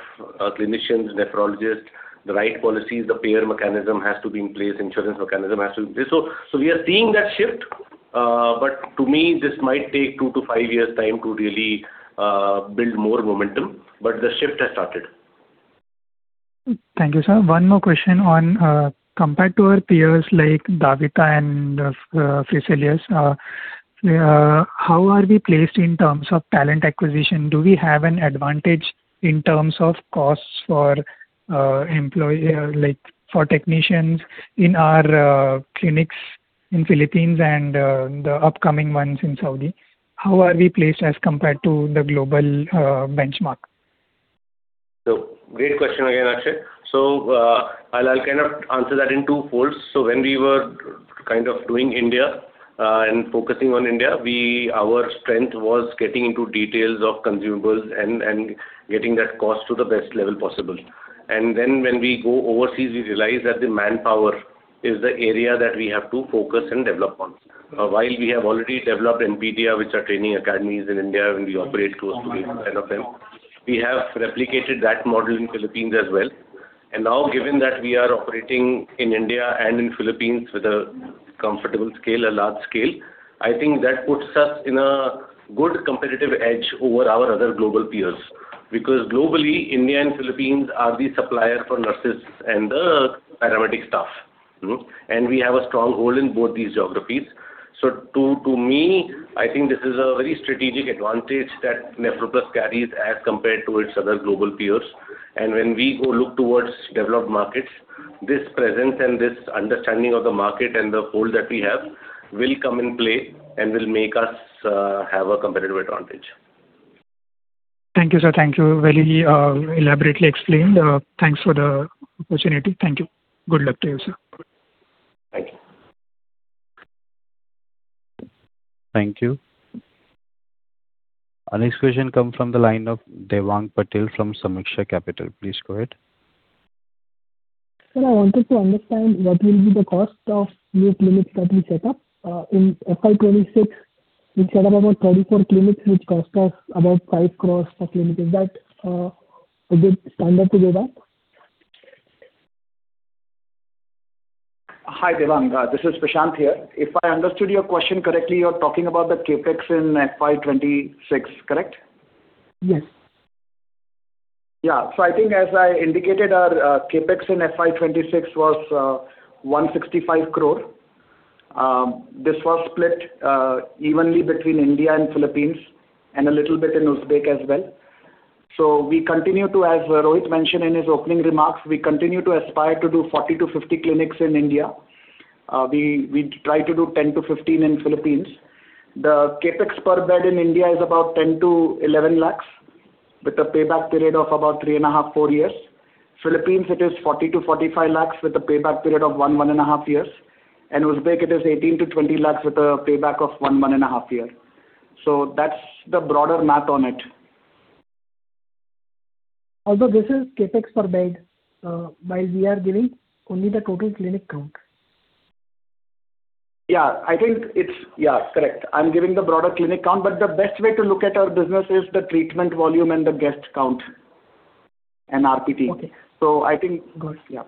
clinicians, nephrologists, the right policies, the payer mechanism has to be in place, insurance mechanism has to be. We are seeing that shift. To me, this might take 2 to 5 years' time to really build more momentum, but the shift has started. Thank you, sir. One more question on, compared to our peers like DaVita and Fresenius, how are we placed in terms of talent acquisition? Do we have an advantage in terms of costs for employee, like for technicians in our clinics in Philippines and the upcoming ones in Saudi? How are we placed as compared to the global benchmark? Great question again, Akshay. I'll kind of answer that in two folds. When we were kind of doing India, and focusing on India, our strength was getting into details of consumables and getting that cost to the best level possible. When we go overseas, we realize that the manpower is the area that we have to focus and develop on. While we have already developed Enpidia, which are training academies in India, and we operate close to eight, nine of them, we have replicated that model in Philippines as well. Now, given that we are operating in India and in Philippines with a comfortable scale, a large scale, I think that puts us in a good competitive edge over our other global peers. Because globally, India and Philippines are the suppliers for nurses and the paramedic staff. Mm-hmm. We have a strong hold in both these geographies. To me, I think this is a very strategic advantage that NephroPlus carries as compared to its other global peers. When we go look towards developed markets, this presence and this understanding of the market and the hold that we have will come in play and will make us have a competitive advantage. Thank you, sir. Thank you. Very elaborately explained. Thanks for the opportunity. Thank you. Good luck to you, sir. Thank you. Thank you. Our next question come from the line of Devang Patel from Sameeksha Capital. Please go ahead. Sir, I wanted to understand what will be the cost of new clinics that we set up. In FY 2026, we set up about 24 clinics, which cost us about 5 crores per clinic. Is that a good standard to go by? Hi, Devang. This is Prashant here. If I understood your question correctly, you're talking about the CapEx in FY 2026, correct? Yes. I think as I indicated, our CapEx in FY 2026 was 165 crore. This was split evenly between India and Philippines and a little bit in Uzbek as well. We continue to, as Rohit mentioned in his opening remarks, we continue to aspire to do 40-50 clinics in India. We try to do 10-15 in Philippines. The CapEx per bed in India is about 10-11 lakhs, with a payback period of about 3.5-4 years. Philippines it is 40 lakh-45 lakhs, with a payback period of 1-1.5 years. Uzbek it is 18-20 lakhs with a payback of 1-1.5 years. That's the broader math on it. Although this is CapEx per bed, while we are giving only the total clinic count. Yeah, I think it's correct. I'm giving the broader clinic count, but the best way to look at our business is the treatment volume and the guest count and RPT. Okay. So I think- Good. Yeah.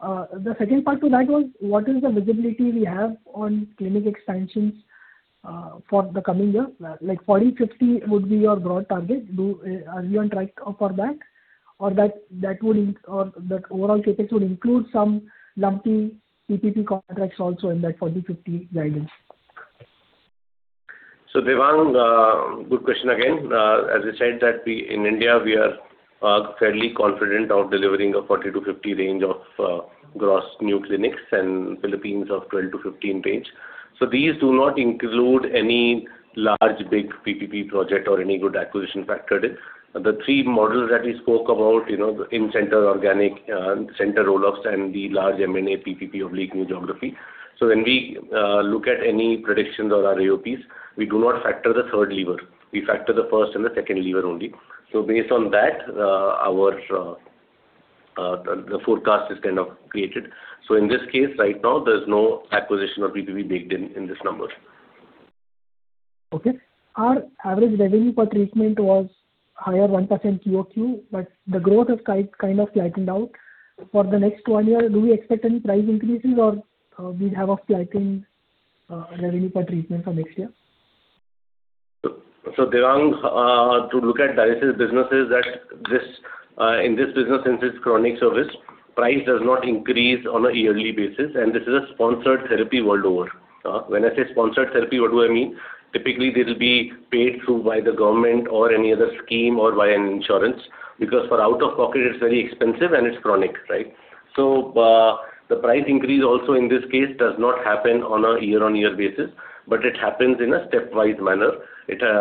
The second part to that was what is the visibility we have on clinic expansions for the coming year? Like 40, 50 would be your broad target. Are you on track for that? Or that overall CapEx would include some lumpy PPP contracts also in that 40, 50 guidance. Devang, good question again. As I said that we in India, we are fairly confident of delivering a 40-50 range of gross new clinics and Philippines of 12-15 range. These do not include any large, big PPP project or any good acquisition factored in. The three models that we spoke about, you know, the in-center organic, center roll-offs and the large M&A PPP of leading geography. When we look at any predictions or our AOPs, we do not factor the third lever. We factor the first and the second lever only. Based on that, our forecast is kind of created. In this case, right now, there's no acquisition or PPP baked in this number. Okay. Our average revenue per treatment was higher 1% QOQ. The growth has kind of flattened out. For the next one year, do we expect any price increases or we'd have a flattened revenue per treatment for next year? Devang, to look at dialysis businesses that this, in this business, since it's chronic service, price does not increase on a yearly basis, and this is a sponsored therapy world over. When I say sponsored therapy, what do I mean? Typically, this will be paid through by the government or any other scheme or via an insurance, because for out-of-pocket it's very expensive and it's chronic, right? The price increase also in this case does not happen on a year-on-year basis, but it happens in a stepwise manner.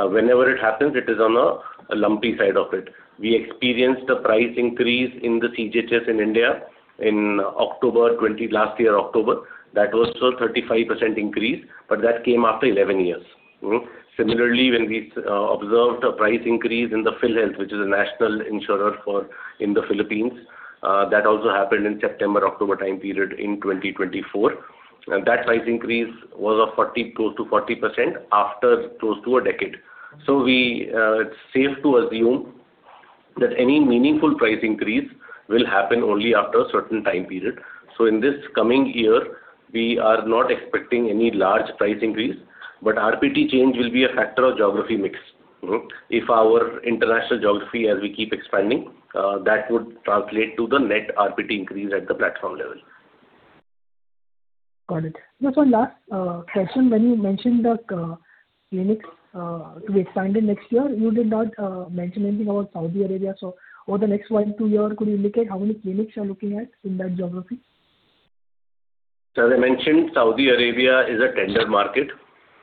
Whenever it happens, it is on a lumpy side of it. We experienced a price increase in the CGHS in India in October last year, October. That was a 35% increase, but that came after 11 years. Mm-hmm. Similarly, when we observed a price increase in the PhilHealth, which is a national insurer in the Philippines, that also happened in September/October time period in 2024. That price increase was a 40%, close to 40% after close to a decade. We, it's safe to assume that any meaningful price increase will happen only after a certain time period. In this coming year, we are not expecting any large price increase, but RPT change will be a factor of geography mix. If our international geography, as we keep expanding, that would translate to the net RPT increase at the platform level. Got it. Just one last question. When you mentioned the clinics to be expanded next year, you did not mention anything about Saudi Arabia. Over the next 1, 2 year, could you indicate how many clinics you're looking at in that geography? As I mentioned, Saudi Arabia is a tender market.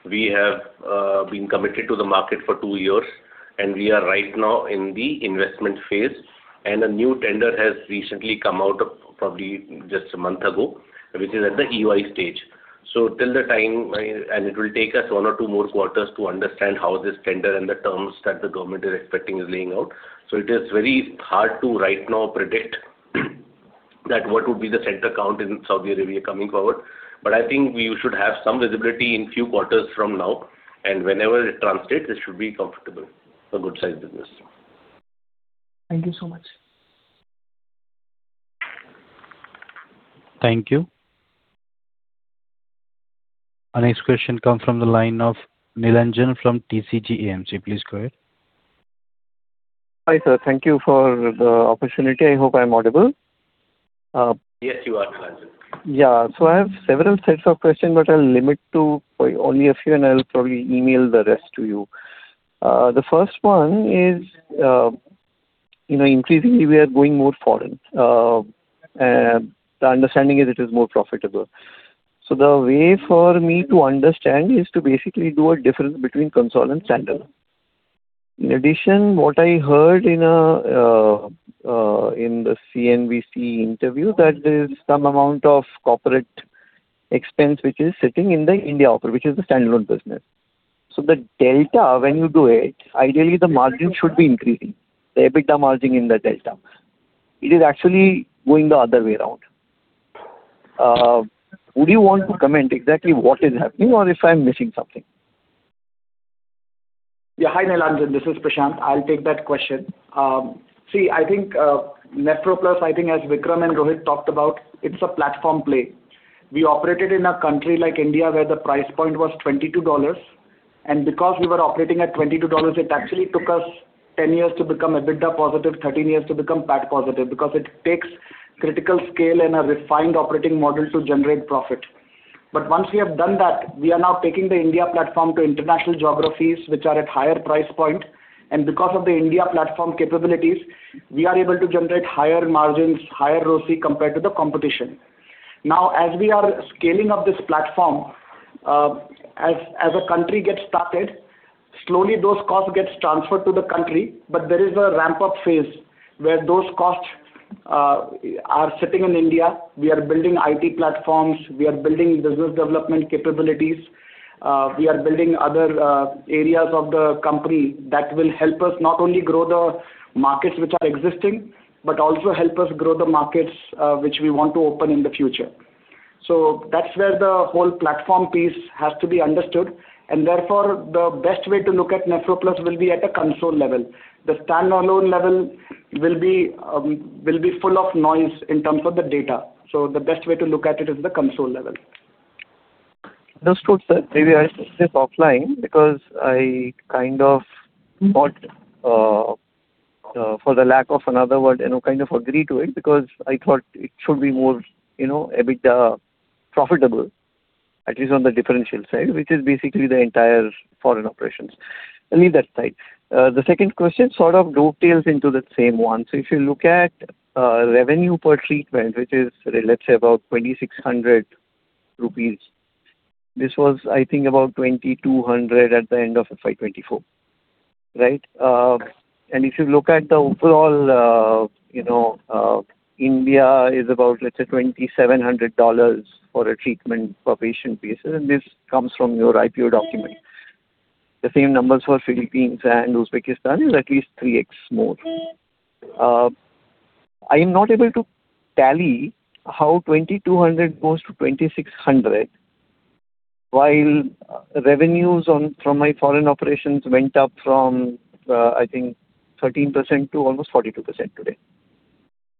We have been committed to the market for 2 years, and we are right now in the investment phase. A new tender has recently come out of probably just 1 month ago, which is at the EOI stage. Till the time, and it will take us one or two more quarters to understand how this tender and the terms that the government is expecting is laying out. It is very hard to right now predict that what would be the center count in Saudi Arabia coming forward. I think we should have some visibility in few quarters from now, and whenever it translates, it should be comfortable, a good-sized business. Thank you so much. Thank you. Our next question comes from the line of Nilanjan from TCG AMC. Please go ahead. Hi, sir. Thank you for the opportunity. I hope I'm audible. Yes, you are, Nilanjan. Yeah. I have several sets of questions, but I'll limit to only a few, and I'll probably email the rest to you. The first one is, you know, increasingly we are going more foreign, and the understanding is it is more profitable. The way for me to understand is to basically do a difference between console and standard. In addition, what I heard in the CNBC interview that there's some amount of corporate expense which is sitting in the India offer, which is the standalone business. The delta, when you do it, ideally the margin should be increasing, the EBITDA margin in the delta. It is actually going the other way around. Would you want to comment exactly what is happening or if I'm missing something? Hi, Nilanjan. This is Prashant. I'll take that question. See, I think NephroPlus, I think as Vikram and Rohit talked about, it's a platform play. We operated in a country like India where the price point was $22, and because we were operating at $22, it actually took us 10 years to become EBITDA positive, 13 years to become PAT positive, because it takes critical scale and a refined operating model to generate profit. Once we have done that, we are now taking the India platform to international geographies which are at higher price point. Because of the India platform capabilities, we are able to generate higher margins, higher ROCE compared to the competition. As we are scaling up this platform, as a country gets started, slowly those costs gets transferred to the country, but there is a ramp-up phase where those costs are sitting in India. We are building IT platforms, we are building business development capabilities, we are building other areas of the company that will help us not only grow the markets which are existing, but also help us grow the markets which we want to open in the future. That's where the whole platform piece has to be understood, and therefore the best way to look at NephroPlus will be at a console level. The standalone level will be full of noise in terms of the data, the best way to look at it is the console level. That's true, sir. Maybe I should say offline because I kind of bought, for the lack of another word, you know, kind of agree to it because I thought it should be more, you know, a bit profitable, at least on the differential side, which is basically the entire foreign operations. Leave that aside. The second question sort of dovetails into the same one. If you look at revenue per treatment, which is let's say about 2,600 rupees. This was I think about 2,200 at the end of FY 2024, right? If you look at the overall, India is about, let's say, $2,700 for a treatment per patient basis, and this comes from your IPO document. The same numbers for Philippines and Uzbekistan is at least 3x more. I am not able to tally how 2,200 goes to 2,600, while revenues from my foreign operations went up from, I think 13% to almost 42% today.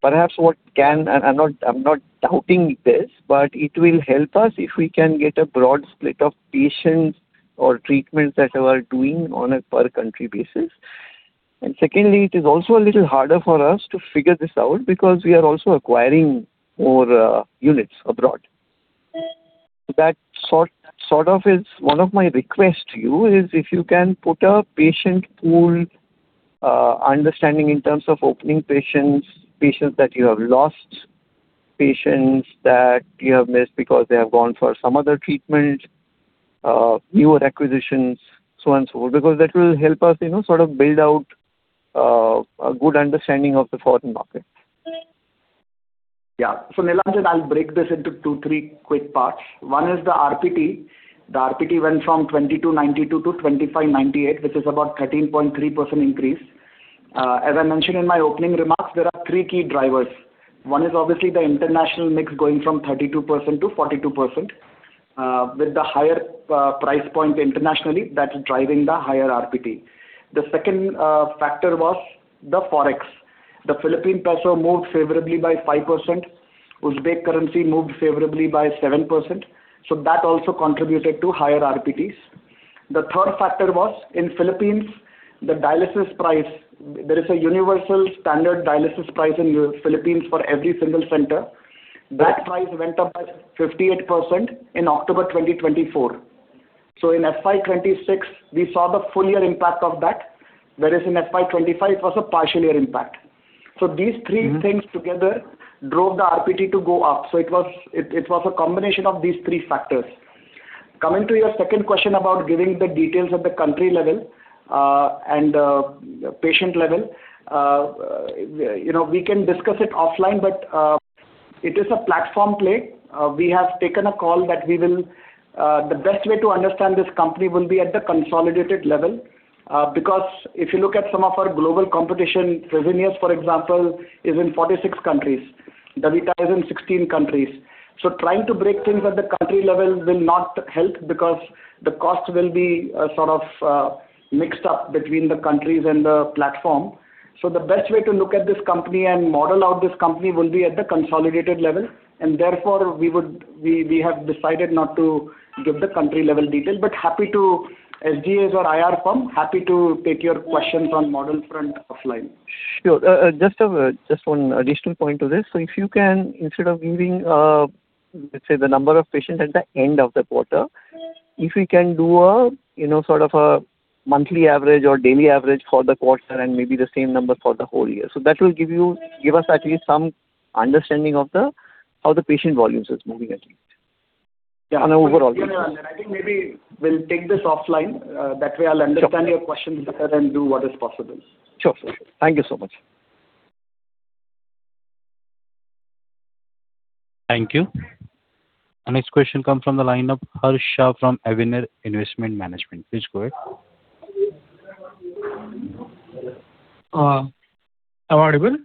I'm not doubting this, but it will help us if we can get a broad split of patients or treatments that you are doing on a per country basis. Secondly, it is also a little harder for us to figure this out because we are also acquiring more units abroad. That sort of is one of my request to you is if you can put a patient pool understanding in terms of opening patients that you have lost, patients that you have missed because they have gone for some other treatment, newer acquisitions, so on and so forth. That will help us, you know, sort of build out a good understanding of the foreign market. Nilanjan, I'll break this into two, three quick parts. One is the RPT. The RPT went from 2,292 to 2,598, which is about 13.3% increase. As I mentioned in my opening remarks, there are three key drivers. One is obviously the international mix going from 32% to 42%, with the higher price point internationally that's driving the higher RPT. The second factor was the Forex. The Philippine peso moved favorably by 5%. Uzbek currency moved favorably by 7%, that also contributed to higher RPTs. The third factor was in Philippines, the dialysis price. There is a universal standard dialysis price in Philippines for every single center. That price went up by 58% in October 2024. In FY 2026 we saw the full year impact of that, whereas in FY 2025 it was a partial year impact. These three things together drove the RPT to go up. It was a combination of these three factors. Coming to your second question about giving the details at the country level and patient level. You know, we can discuss it offline, it is a platform play. We have taken a call that the best way to understand this company will be at the consolidated level. If you look at some of our global competition, Fresenius, for example, is in 46 countries. DaVita is in 16 countries. Trying to break things at the country level will not help because the cost will be sort of mixed up between the countries and the platform. The best way to look at this company and model out this company will be at the consolidated level, and therefore we have decided not to give the country level detail. Happy to SGA or IR firm, happy to take your questions on model front offline. Sure. Just one additional point to this. If you can, instead of giving, let's say the number of patients at the end of the quarter, if you can do a, you know, sort of a monthly average or daily average for the quarter and maybe the same number for the whole year. That will give us at least some understanding of the, how the patient volumes is moving at least. Yeah. On an overall basis. I think maybe we'll take this offline. Sure. Your questions better and do what is possible. Sure. Sure. Thank you so much. Thank you. Our next question comes from the line of Harsh Shah from Avener Investment Management. Please go ahead. Am I audible?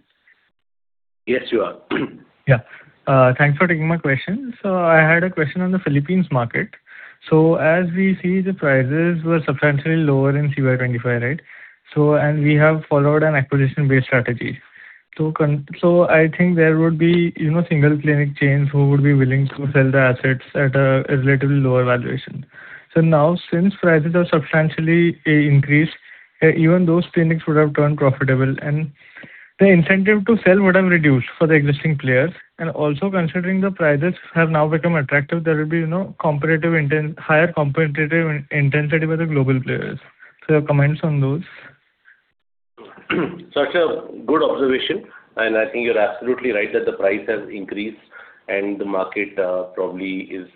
Yes, you are. Thanks for taking my question. I had a question on the Philippines market. As we see, the prices were substantially lower in FY 2025, right? We have followed an acquisition-based strategy. I think there would be, you know, single clinic chains who would be willing to sell the assets at a relatively lower valuation. Now, since prices are substantially increased, even those clinics would have turned profitable, and the incentive to sell would have reduced for the existing players. Also considering the prices have now become attractive, there will be, you know, higher competitive intensity by the global players. Your comments on those. It's a good observation, and I think you're absolutely right that the price has increased and the market probably is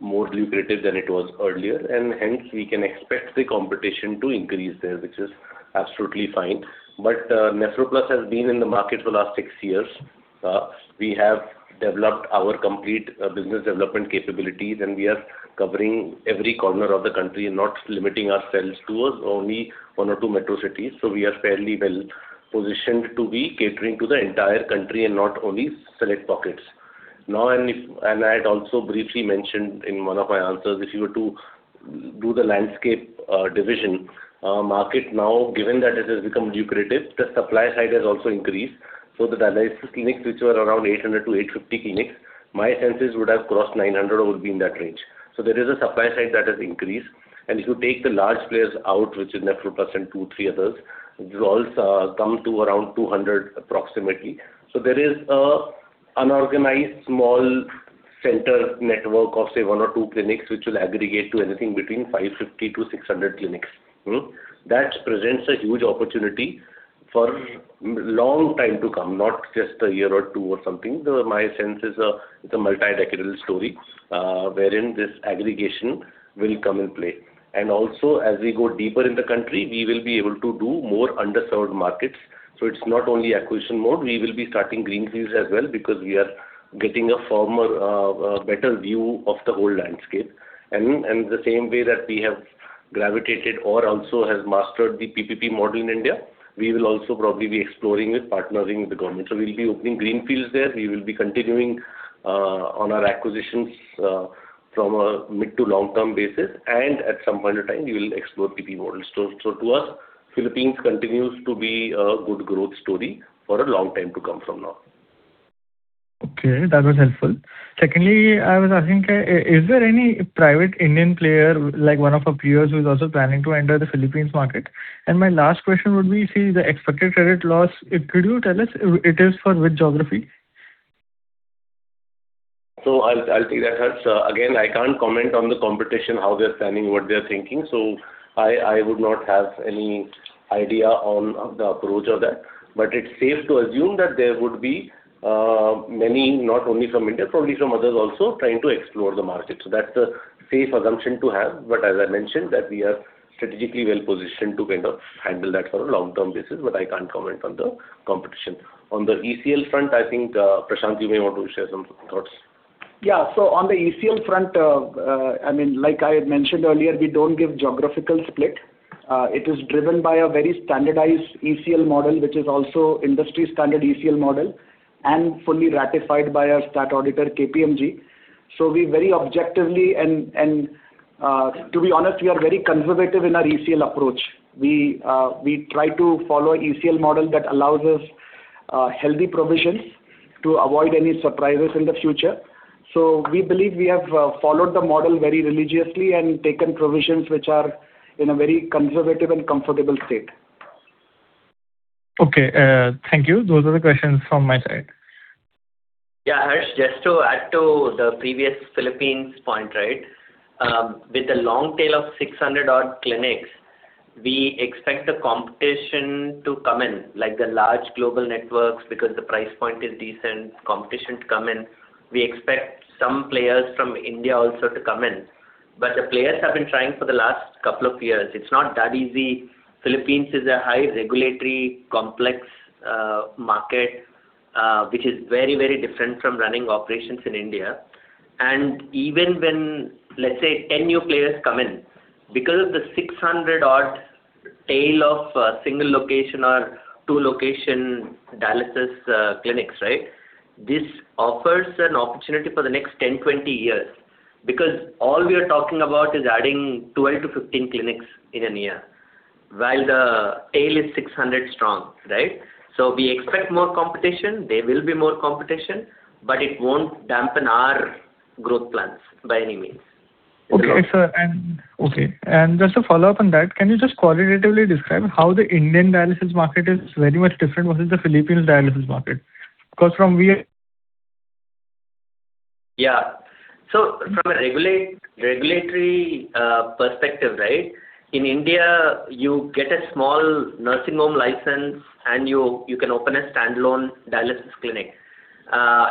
more lucrative than it was earlier. Hence we can expect the competition to increase there, which is absolutely fine. NephroPlus has been in the market for the last 6 years. We have developed our complete business development capabilities, and we are covering every corner of the country, not limiting ourselves to only one or two metro cities. We are fairly well-positioned to be catering to the entire country and not only select pockets. I had also briefly mentioned in one of my answers, if you were to do the landscape division market now, given that it has become lucrative, the supply side has also increased. The dialysis clinics, which were around 800-850 clinics, my senses would have crossed 900 or would be in that range. There is a supply side that has increased. If you take the large players out, which is NephroPlus and two, three others, it will also come to around 200 approximately. There is an unorganized small center network of say one or two clinics, which will aggregate to anything between 550-600 clinics. That presents a huge opportunity for long time to come, not just a year or two or something. My sense is, it's a multi-decadal story, wherein this aggregation will come in play. As we go deeper in the country, we will be able to do more underserved markets. It's not only acquisition mode, we will be starting greenfields as well because we are getting a firmer, better view of the whole landscape. The same way that we have gravitated or also has mastered the PPP model in India, we will also probably be exploring it, partnering with the government. We'll be opening greenfields there. We will be continuing on our acquisitions from a mid to long-term basis. At some point in time, we will explore PPP models. To us, Philippines continues to be a good growth story for a long time to come from now. Okay, that was helpful. Secondly, I was asking, is there any private Indian player, like one of our peers who is also planning to enter the Philippines market? My last question would be, say, the expected credit loss, could you tell us if it is for which geography? I'll take that, Harsh. Again, I can't comment on the competition, how they're planning, what they're thinking. I would not have any idea on the approach of that. It's safe to assume that there would be, many, not only from India, probably from others also trying to explore the market. That's a safe assumption to have. As I mentioned, that we are strategically well-positioned to kind of handle that for a long-term basis, but I can't comment on the competition. On the ECL front, I think, Prashant, you may want to share some thoughts. Yeah. On the ECL front, I mean, like I had mentioned earlier, we don't give geographical split. It is driven by a very standardized ECL model, which is also industry-standard ECL model and fully ratified by our stat auditor, KPMG. We very objectively and, to be honest, we are very conservative in our ECL approach. We try to follow ECL model that allows us healthy provisions to avoid any surprises in the future. We believe we have followed the model very religiously and taken provisions which are in a very conservative and comfortable state. Okay, thank you. Those are the questions from my side. Yeah, Harsh, just to add to the previous Philippines point, right? With the long tail of 600 odd clinics, we expect the competition to come in, like the large global networks, because the price point is decent, competition to come in. We expect some players from India also to come in. The players have been trying for the last couple years. It's not that easy. Philippines is a high regulatory complex market, which is very, very different from running operations in India. Even when, let's say, 10 new players come in, because of the 600 odd tail of single location or two location dialysis clinics, right? This offers an opportunity for the next 10, 20 years, because all we are talking about is adding 12-15 clinics in a year, while the tail is 600 strong, right? We expect more competition. There will be more competition, but it won't dampen our growth plans by any means. Okay, sir. Just to follow up on that, can you just qualitatively describe how the Indian dialysis market is very much different versus the Philippines dialysis market? Yeah. From a regulatory perspective, right? In India, you get a small nursing home license and you can open a standalone dialysis clinic.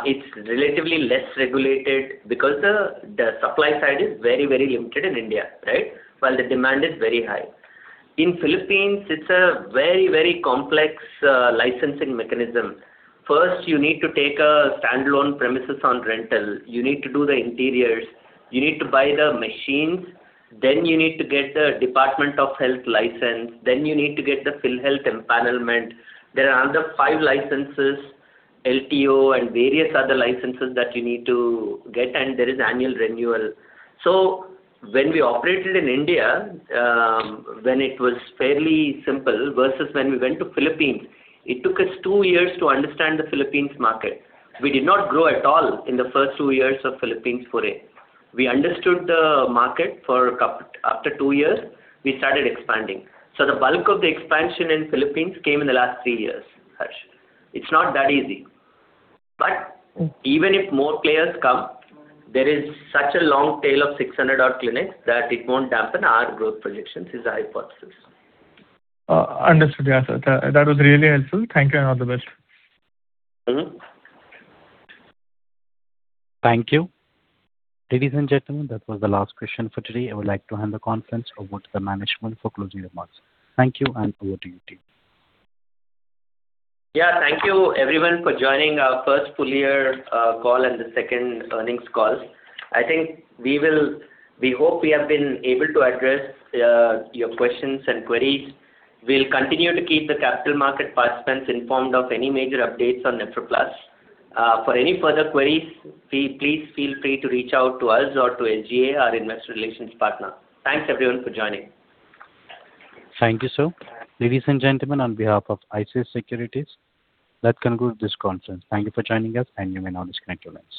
It's relatively less regulated because the supply side is very, very limited in India, right? While the demand is very high. In Philippines, it's a very, very complex licensing mechanism. First, you need to take a standalone premises on rental. You need to do the interiors, you need to buy the machines, then you need to get the Department of Health license, then you need to get the PhilHealth empanelment. There are another five licenses, LTO and various other licenses that you need to get, and there is annual renewal. When we operated in India, when it was fairly simple versus when we went to Philippines, it took us 2 years to understand the Philippines market. We did not grow at all in the first two years of Philippines foray. We understood the market. After two years, we started expanding. The bulk of the expansion in Philippines came in the last three years, Harsh. It's not that easy. Even if more players come, there is such a long tail of 600 odd clinics that it won't dampen our growth projections is our hypothesis. Understood. Yeah, Sir. That was really helpful. Thank you, and all the best. Thank you. Ladies and gentlemen, that was the last question for today. I would like to hand the conference over to the management for closing remarks. Thank you, and over to you, team. Yeah, thank you everyone for joining our first full year call and the second earnings call. I think we hope we have been able to address your questions and queries. We'll continue to keep the capital market participants informed of any major updates on NephroPlus. For any further queries, please feel free to reach out to us or to SGA, our investor relations partner. Thanks everyone for joining. Thank you, sir. Ladies and gentlemen, on behalf of ICICI Securities, that concludes this conference. Thank you for joining us, and you may now disconnect your lines.